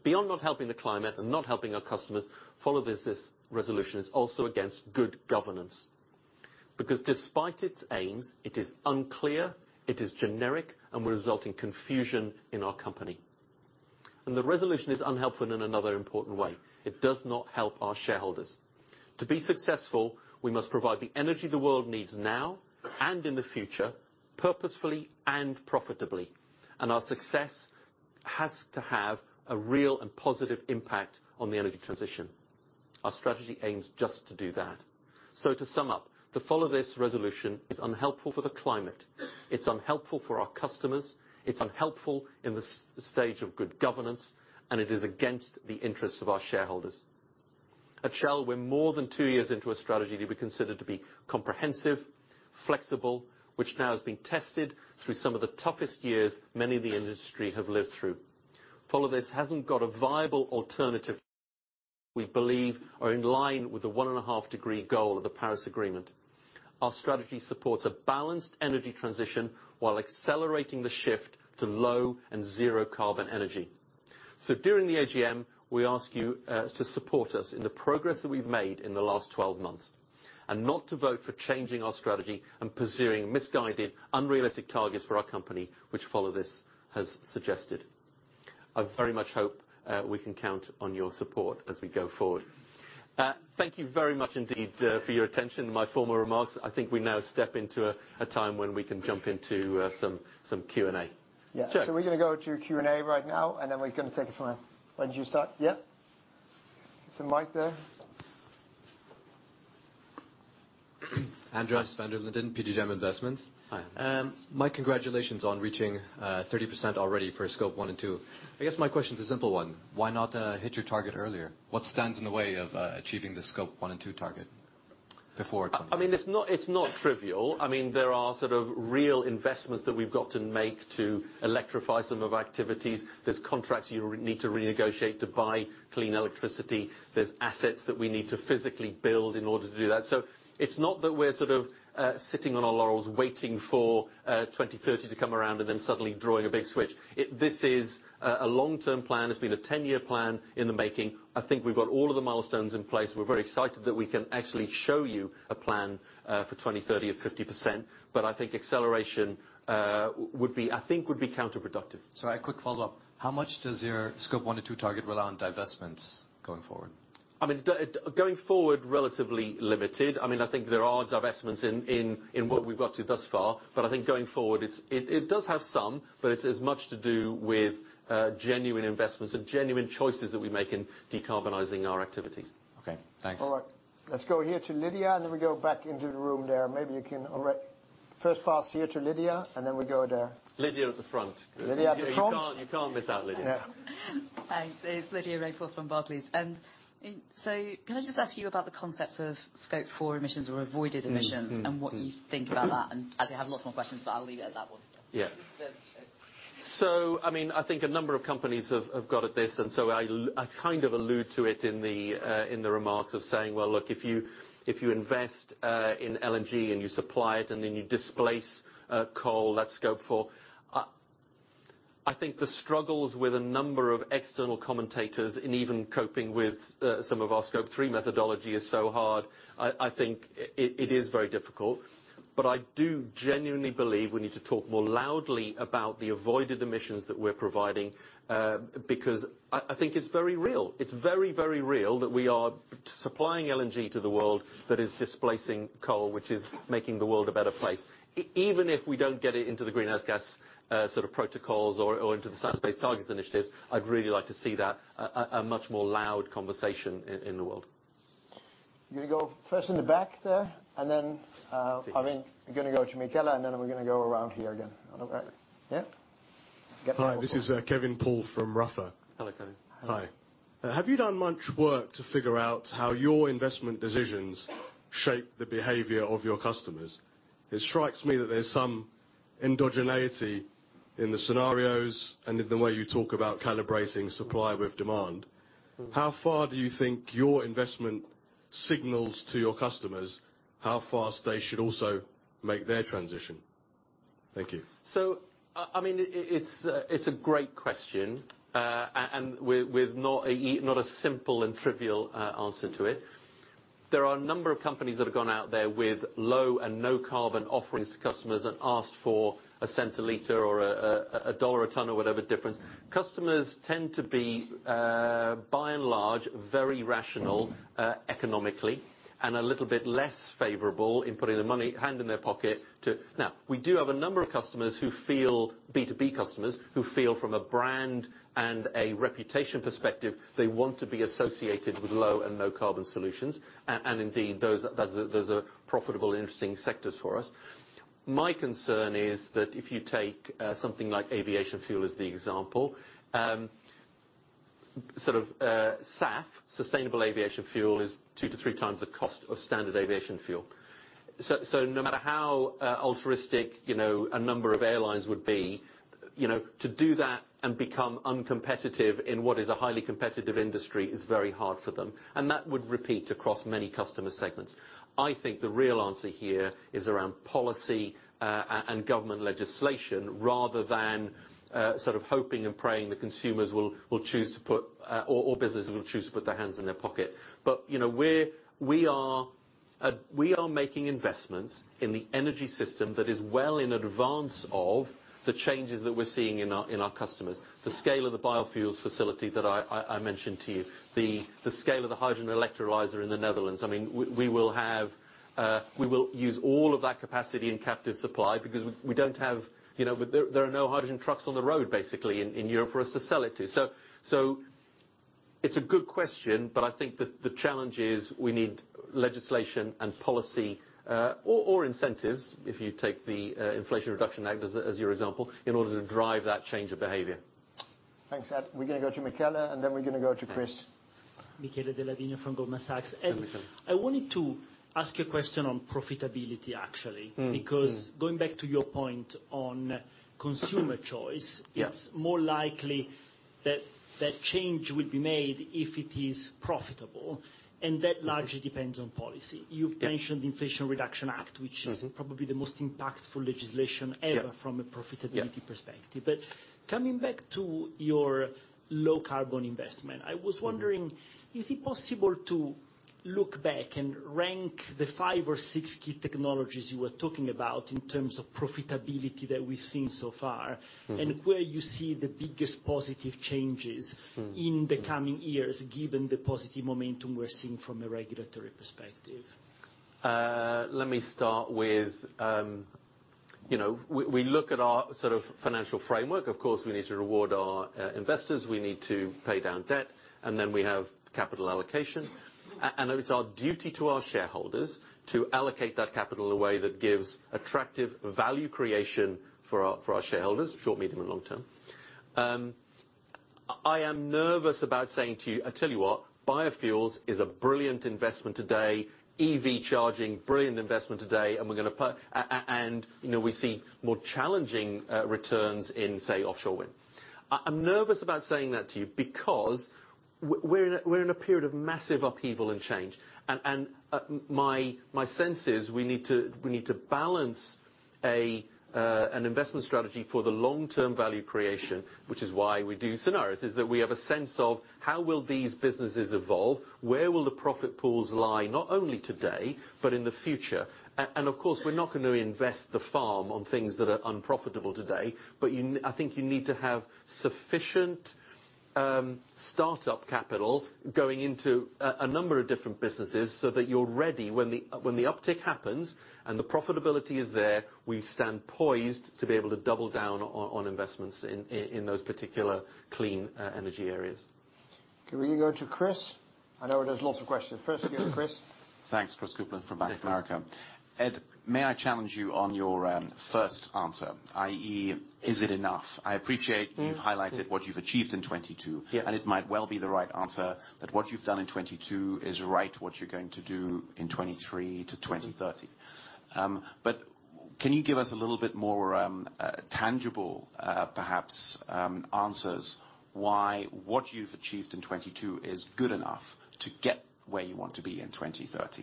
Beyond not helping the climate and not helping our customers, Follow This, this resolution is also against good governance. Despite its aims, it is unclear, it is generic and will result in confusion in our company. The resolution is unhelpful in another important way. It does not help our shareholders. To be successful, we must provide the energy the world needs now and in the future, purposefully and profitably, and our success has to have a real and positive impact on the energy transition. Our strategy aims just to do that. To sum up, the Follow This resolution is unhelpful for the climate, it's unhelpful for our customers, it's unhelpful in the stage of good governance, and it is against the interests of our shareholders. At Shell, we're more than two years into a strategy that we consider to be comprehensive, flexible, which now has been tested through some of the toughest years many in the industry have lived through. Follow This hasn't got a viable alternative we believe are in line with the 1.5 degree goal of the Paris Agreement. Our strategy supports a balanced energy transition while accelerating the shift to low and zero carbon energy. During the AGM, we ask you to support us in the progress that we've made in the last 12 months and not to vote for changing our strategy and pursuing misguided, unrealistic targets for our company, which Follow This has suggested. I very much hope we can count on your support as we go forward. Thank you very much indeed for your attention to my formal remarks. I think we now step into a time when we can jump into some Q&A. Yeah. Sure. We're gonna go to Q&A right now, and then we're gonna take it from there. Where'd you start? Yeah. There's a mic there. Andres van der Linden, PGGM Investments. Hi. My congratulations on reaching 30% already for Scope 1 and Scope 2. I guess my question is a simple one. Why not hit your target earlier? What stands in the way of achieving the Scope 1 and Scope 2 target before it comes up? I mean, it's not trivial. I mean, there are sort of real investments that we've got to make to electrify some of activities. There's contracts you need to renegotiate to buy clean electricity. There's assets that we need to physically build in order to do that. It's not that we're sort of sitting on our laurels waiting for 2030 to come around and then suddenly drawing a big switch. This is a long-term plan. It's been a 10-year plan in the making. I think we've got all of the milestones in place. We're very excited that we can actually show you a plan for 2030 of 50%, I think acceleration would be counterproductive. Sorry, a quick follow-up. How much does your Scope 1 and Scope 2 target rely on divestments going forward? I mean, going forward, relatively limited. I mean, I think there are divestments in what we've got to thus far, but I think going forward, it does have some, but it's as much to do with genuine investments and genuine choices that we make in decarbonizing our activities. Okay. Thanks. All right. Let's go here to Lydia, and then we go back into the room there. First pass here to Lydia, and then we go there. Lydia at the front. Lydia at the front. You can't miss out Lydia. Yeah. Hi. It's Lydia Rainforth from Barclays. Can I just ask you about the concept of Scope 4 emissions or avoided emissions? Mm. Mm. What you think about that? I actually have lots more questions, but I'll leave it at that one. Yeah. This is the case. I mean, I think a number of companies have got at this, and so I kind of allude to it in the remarks of saying, "Well, look, if you, if you invest in LNG and you supply it, and then you displace coal, that's Scope 4." I think the struggles with a number of external commentators in even coping with some of our Scope 3 methodology is so hard. I think it is very difficult, but I do genuinely believe we need to talk more loudly about the avoided emissions that we're providing, because I think it's very real. It's very, very real that we are supplying LNG to the world that is displacing coal, which is making the world a better place. Even if we don't get it into the greenhouse gas sort of protocols or into the Science Based Targets initiative, I'd really like to see that a much more loud conversation in the world. You're gonna go first in the back there, and then. See you. I mean, gonna go to Michele, and then we're gonna go around here again. All right. Yeah. Get the whole floor. Hi. This is Kevin Paul from Ruffer. Hello, Kevin. Hi. Have you done much work to figure out how your investment decisions shape the behavior of your customers? It strikes me that there's some endogeneity in the scenarios and in the way you talk about calibrating supply with demand. Mm. How far do you think your investment signals to your customers how fast they should also make their transition? Thank you. I mean, it's a great question, and with not a simple and trivial answer to it. There are a number of companies that have gone out there with low and no carbon offerings to customers and asked for $0.01 a liter or $1 a ton or whatever difference. Customers tend to be, by and large, very rational, economically, and a little bit less favorable in putting the money hand in their pocket. Now, we do have a number of customers who feel, B2B customers, who feel from a brand and a reputation perspective, they want to be associated with low and no carbon solutions. Indeed, those are profitable, interesting sectors for us. My concern is that if you take something like aviation fuel as the example, sort of SAF, Sustainable Aviation Fuel, is 2x to 3x the cost of standard aviation fuel. No matter how altruistic, you know, a number of airlines would be, you know, to do that and become uncompetitive in what is a highly competitive industry is very hard for them. That would repeat across many customer segments. I think the real answer here is around policy and government legislation, rather than sort of hoping and praying that consumers will choose to put or businesses will choose to put their hands in their pocket. You know, we are making investments in the energy system that is well in advance of the changes that we're seeing in our, in our customers. The scale of the biofuels facility that I mentioned to you, the scale of the hydrogen electrolyzer in the Netherlands, I mean, we will have, we will use all of that capacity in captive supply because we don't have, you know. There are no hydrogen trucks on the road basically in Europe for us to sell it to. It's a good question, but I think that the challenge is we need legislation and policy, or incentives, if you take the Inflation Reduction Act as your example, in order to drive that change of behavior. Thanks. We're gonna go to Michele, and then we're gonna go to Chris. Okay. Michele Della Vigna from Goldman Sachs. Hi, Michele. Ed, I wanted to ask you a question on profitability, actually. Mm. Mm. Going back to your point on consumer choice. Yeah. It's more likely that that change will be made if it is profitable, and that largely depends on policy. Yeah. You've mentioned the Inflation Reduction Act. Mm-hmm. which is probably the most impactful legislation ever- Yeah. from a profitability perspective. Yeah. Coming back to your low carbon investment. Mm. I was wondering, is it possible to look back and rank the five or six key technologies you were talking about in terms of profitability that we've seen so far? Mm-hmm. Where you see the biggest positive changes. Mm. in the coming years, given the positive momentum we're seeing from a regulatory perspective? Let me start with, you know, we look at our sort of financial framework. Of course, we need to reward our investors. We need to pay down debt, and then we have capital allocation. It's our duty to our shareholders to allocate that capital in a way that gives attractive value creation for our, for our shareholders, short, medium, and long term. I am nervous about saying to you, "I tell you what, biofuels is a brilliant investment today. EV charging, brilliant investment today, and we're gonna put..." you know, we see more challenging returns in, say, offshore wind. I'm nervous about saying that to you because we're in a period of massive upheaval and change, and my sense is we need to balance an investment strategy for the long-term value creation, which is why we do scenarios. Is that we have a sense of how will these businesses evolve? Where will the profit pools lie, not only today, but in the future? Of course, we're not gonna invest the farm on things that are unprofitable today, but I think you need to have sufficient start-up capital going into a number of different businesses so that you're ready when the uptick happens and the profitability is there, we stand poised to be able to double down on investments in those particular clean energy areas. Can we go to Chris? I know there's lots of questions. First here, Chris. Thanks. Christopher Kuplent from Bank of America. Yeah. Ed, may I challenge you on your, first answer, i.e., is it enough? Mm. you've highlighted what you've achieved in 2022. Yeah. It might well be the right answer that what you've done in 2022 is right what you're going to do in 2023 to 2030. Can you give us a little bit more tangible, perhaps, answers why what you've achieved in 2022 is good enough to get where you want to be in 2030?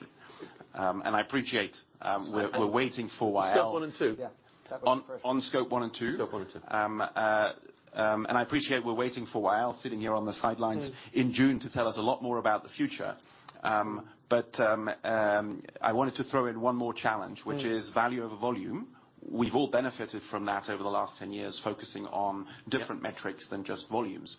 I appreciate, we're waiting for. Scope 1 and Scope 2. Yeah. That was the first- On Scope 1 and Scope 2. Scope 1 and Scope 2. I appreciate we're waiting for a while, sitting here on the sidelines. Mm. in June to tell us a lot more about the future. I wanted to throw in one more challenge. Mm. -which is value over volume. We've all benefited from that over the last ten years, focusing on different- Yeah. metrics than just volumes.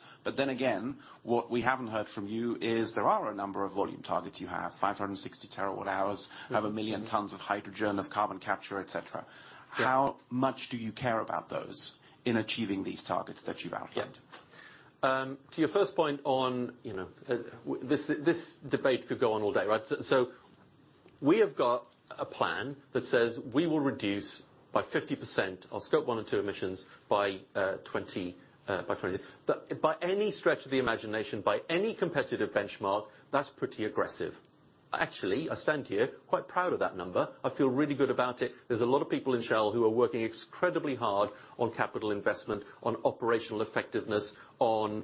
What we haven't heard from you is there are a number of volume targets you have, 560 TWh. Mm-hmm. have 1 million tons of hydrogen, of carbon capture, et cetera. Yeah. How much do you care about those in achieving these targets that you've outlined? Yeah. To your first point on, you know, this debate could go on all day, right? We have got a plan that says we will reduce by 50% our Scope 1 and Scope 2 emissions by 20... By any stretch of the imagination, by any competitive benchmark, that's pretty aggressive. Actually, I stand here quite proud of that number. I feel really good about it. There's a lot of people in Shell who are working incredibly hard on capital investment, on operational effectiveness, on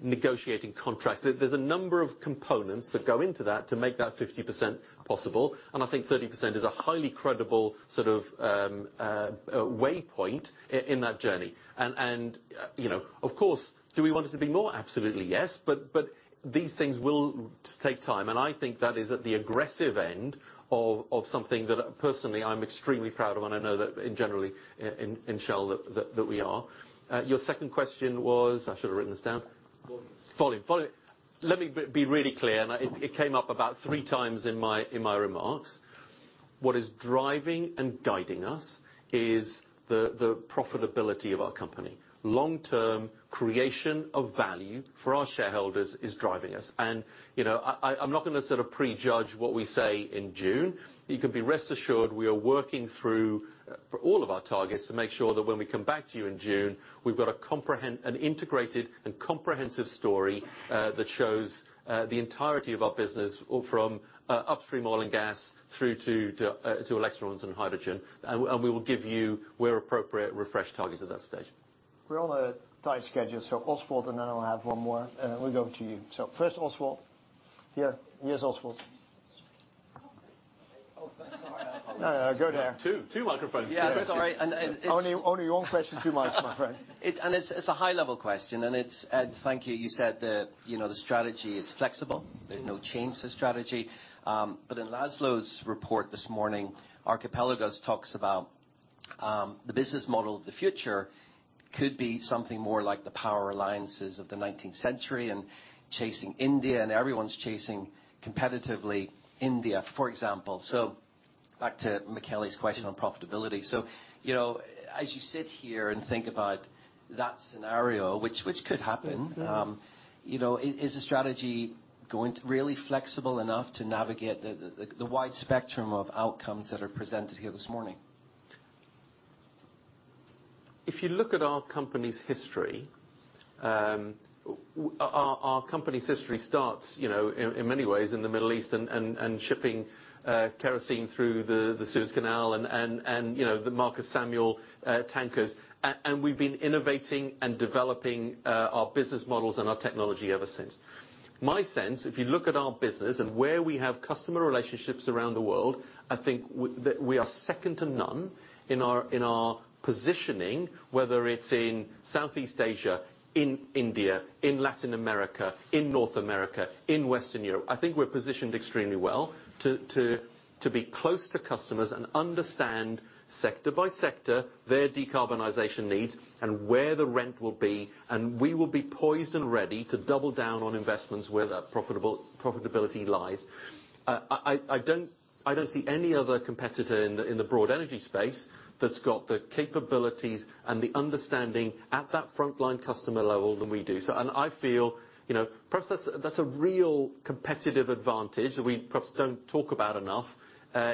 negotiating contracts. There's a number of components that go into that to make that 50% possible, and I think 30% is a highly credible sort of waypoint in that journey. You know, of course, do we want it to be more? Absolutely, yes. these things will take time, and I think that is at the aggressive end of something that personally, I'm extremely proud of, and I know that generally in Shell that we are. Your second question was? I should've written this down. Volumes. Volume. Volume. Let me be really clear, it came up about 3x in my remarks. What is driving and guiding us is the profitability of our company. Long-term creation of value for our shareholders is driving us. You know, I'm not gonna sort of prejudge what we say in June. You can be rest assured we are working through for all of our targets to make sure that when we come back to you in June, we've got an integrated and comprehensive story that shows the entirety of our business from upstream oil and gas through to electrons and hydrogen. We will give you, where appropriate, refresh targets at that stage. We're on a tight schedule, Oswald, and then I'll have one more, and we'll go to you. First, Oswald. Here. Here's Oswald. Oh, sorry. No, no, go there. Two. Two microphones. Yeah, sorry. Only your own question, two microphones, right. It's a high-level question, and it's, Ed, thank you. You said the, you know, the strategy is flexible. Mm. There's no change to strategy. In László's report this morning, Archipelagos talks about, the business model of the future could be something more like the power alliances of the nineteenth century and chasing India, and everyone's chasing competitively India, for example. Back to Michele's question on profitability. You know, as you sit here and think about that scenario, which could happen. Mm. You know, is the strategy going really flexible enough to navigate the, the wide spectrum of outcomes that are presented here this morning? If you look at our company's history, our company's history starts, you know, in many ways in the Middle East and shipping kerosene through the Suez Canal and, you know, the Marcus Samuel tankers. We've been innovating and developing our business models and our technology ever since. My sense, if you look at our business and where we have customer relationships around the world, I think that we are second to none in our positioning, whether it's in Southeast Asia, in India, in Latin America, in North America, in Western Europe. I think we're positioned extremely well to be close to customers and understand sector by sector their decarbonization needs and where the rent will be, and we will be poised and ready to double down on investments where that profitability lies. I don't see any other competitor in the broad energy space that's got the capabilities and the understanding at that frontline customer level than we do. I feel, you know, perhaps that's a real competitive advantage that we perhaps don't talk about enough,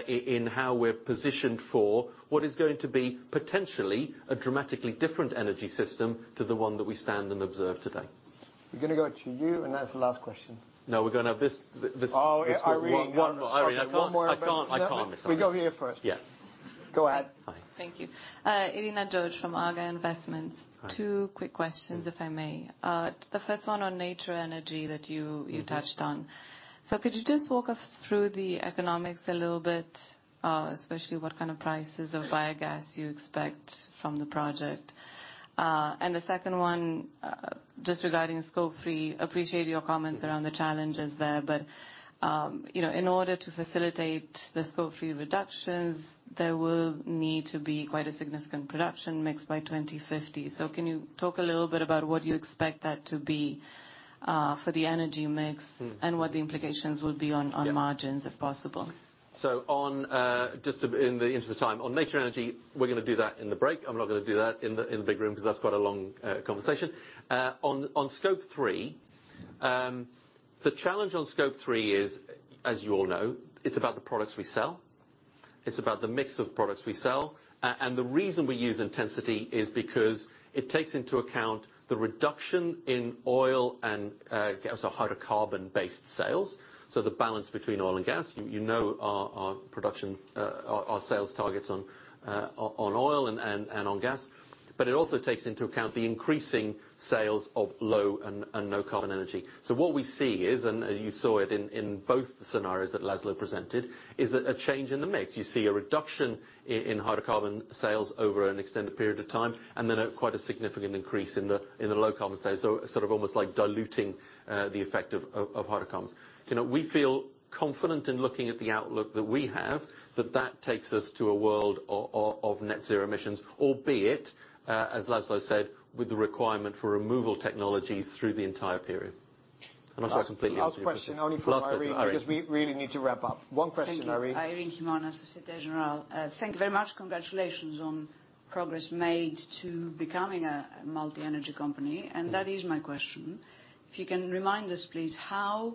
in how we're positioned for what is going to be potentially a dramatically different energy system to the one that we stand and observe today. We're gonna go to you, and that's the last question. No, we're gonna have this. Oh, Irene. One more. Irene, I can't miss Irene. We go here first. Yeah. Go ahead. Thank you. Elena Georgiou from Aviva Investors. Hi. Two quick questions, if I may. The first one on Nature Energy. Mm-hmm... you touched on. Could you just walk us through the economics a little bit, especially what kind of prices of biogas you expect from the project. The second one, just regarding Scope 3, appreciate your comments around the challenges there. You know, in order to facilitate the Scope 3 reductions, there will need to be quite a significant production mix by 2050. Can you talk a little bit about what you expect that to be for the energy mix. Mm... and what the implications will be. Yeah... on margins, if possible? Just in the interest of time, on Nature Energy, we're gonna do that in the break. I'm not gonna do that in the big room, 'cause that's quite a long conversation. On Scope 3, the challenge on Scope 3 is, as you all know, it's about the products we sell, it's about the mix of products we sell. And the reason we use intensity is because it takes into account the reduction in oil and gas or hydrocarbon-based sales, so the balance between oil and gas. You know our production, our sales targets on oil and on gas. It also takes into account the increasing sales of low and no carbon energy. What we see is, and you saw it in both the scenarios that László presented, is a change in the mix. You see a reduction in hydrocarbon sales over an extended period of time, and then a quite a significant increase in the low carbon sales. Sort of almost like diluting the effect of hydrocarbons. You know, we feel confident in looking at the outlook that we have, that that takes us to a world of net zero emissions, albeit, as László said, with the requirement for removal technologies through the entire period. I'm sure I've completely answered your question. Last question only from Irene. Last question, Irene. because we really need to wrap up. One question, Irene. Thank you. Irene Himona, Société Générale. Thank you very much. Congratulations on progress made to becoming a multi-energy company. That is my question. If you can remind us, please, how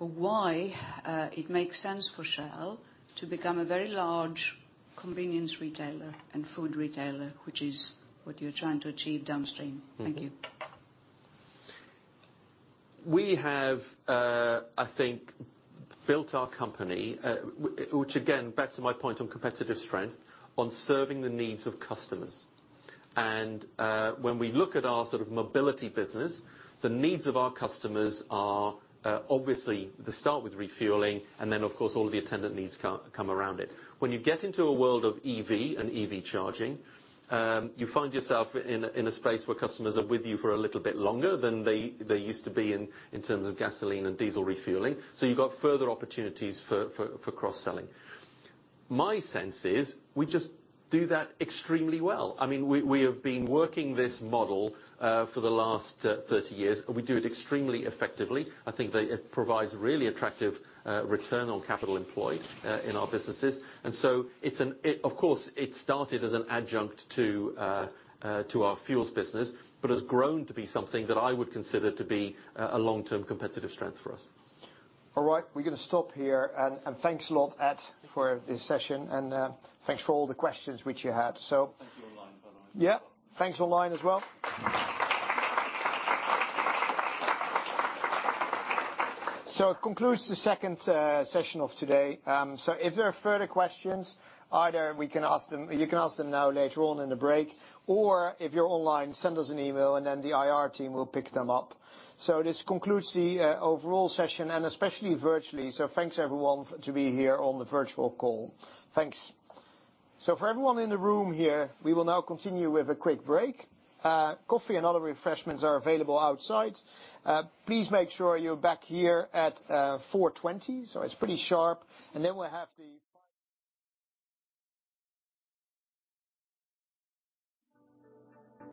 or why it makes sense for Shell to become a very large convenience retailer and food retailer, which is what you're trying to achieve downstream? Mm-hmm. Thank you. We have, I think, built our company, which again, back to my point on competitive strength, on serving the needs of customers. When we look at our sort of mobility business, the needs of our customers are, obviously they start with refueling, and then, of course, all the attendant needs come around it. When you get into a world of EV and EV charging, you find yourself in a space where customers are with you for a little bit longer than they used to be in terms of gasoline and diesel refueling. You've got further opportunities for cross-selling. My sense is we just do that extremely well. I mean, we have been working this model for the last 30 years. We do it extremely effectively. I think that it provides really attractive return on capital employed in our businesses. It's of course, it started as an adjunct to our fuels business, but has grown to be something that I would consider to be a long-term competitive strength for us. All right. We're gonna stop here. Thanks a lot, Ed, for this session, and thanks for all the questions which you had. Thanks for online by the way. Yeah. Thanks online as well. It concludes the second session of today. If there are further questions, either we can ask them, you can ask them now later on in the break, or if you're online, send us an email, and then the IR team will pick them up. This concludes the overall session, and especially virtually. Thanks everyone to be here on the virtual call. Thanks. For everyone in the room here, we will now continue with a quick break. Coffee and other refreshments are available outside. Please make sure you're back here at 4:20 P.M., so it's pretty sharp. Then we'll have the...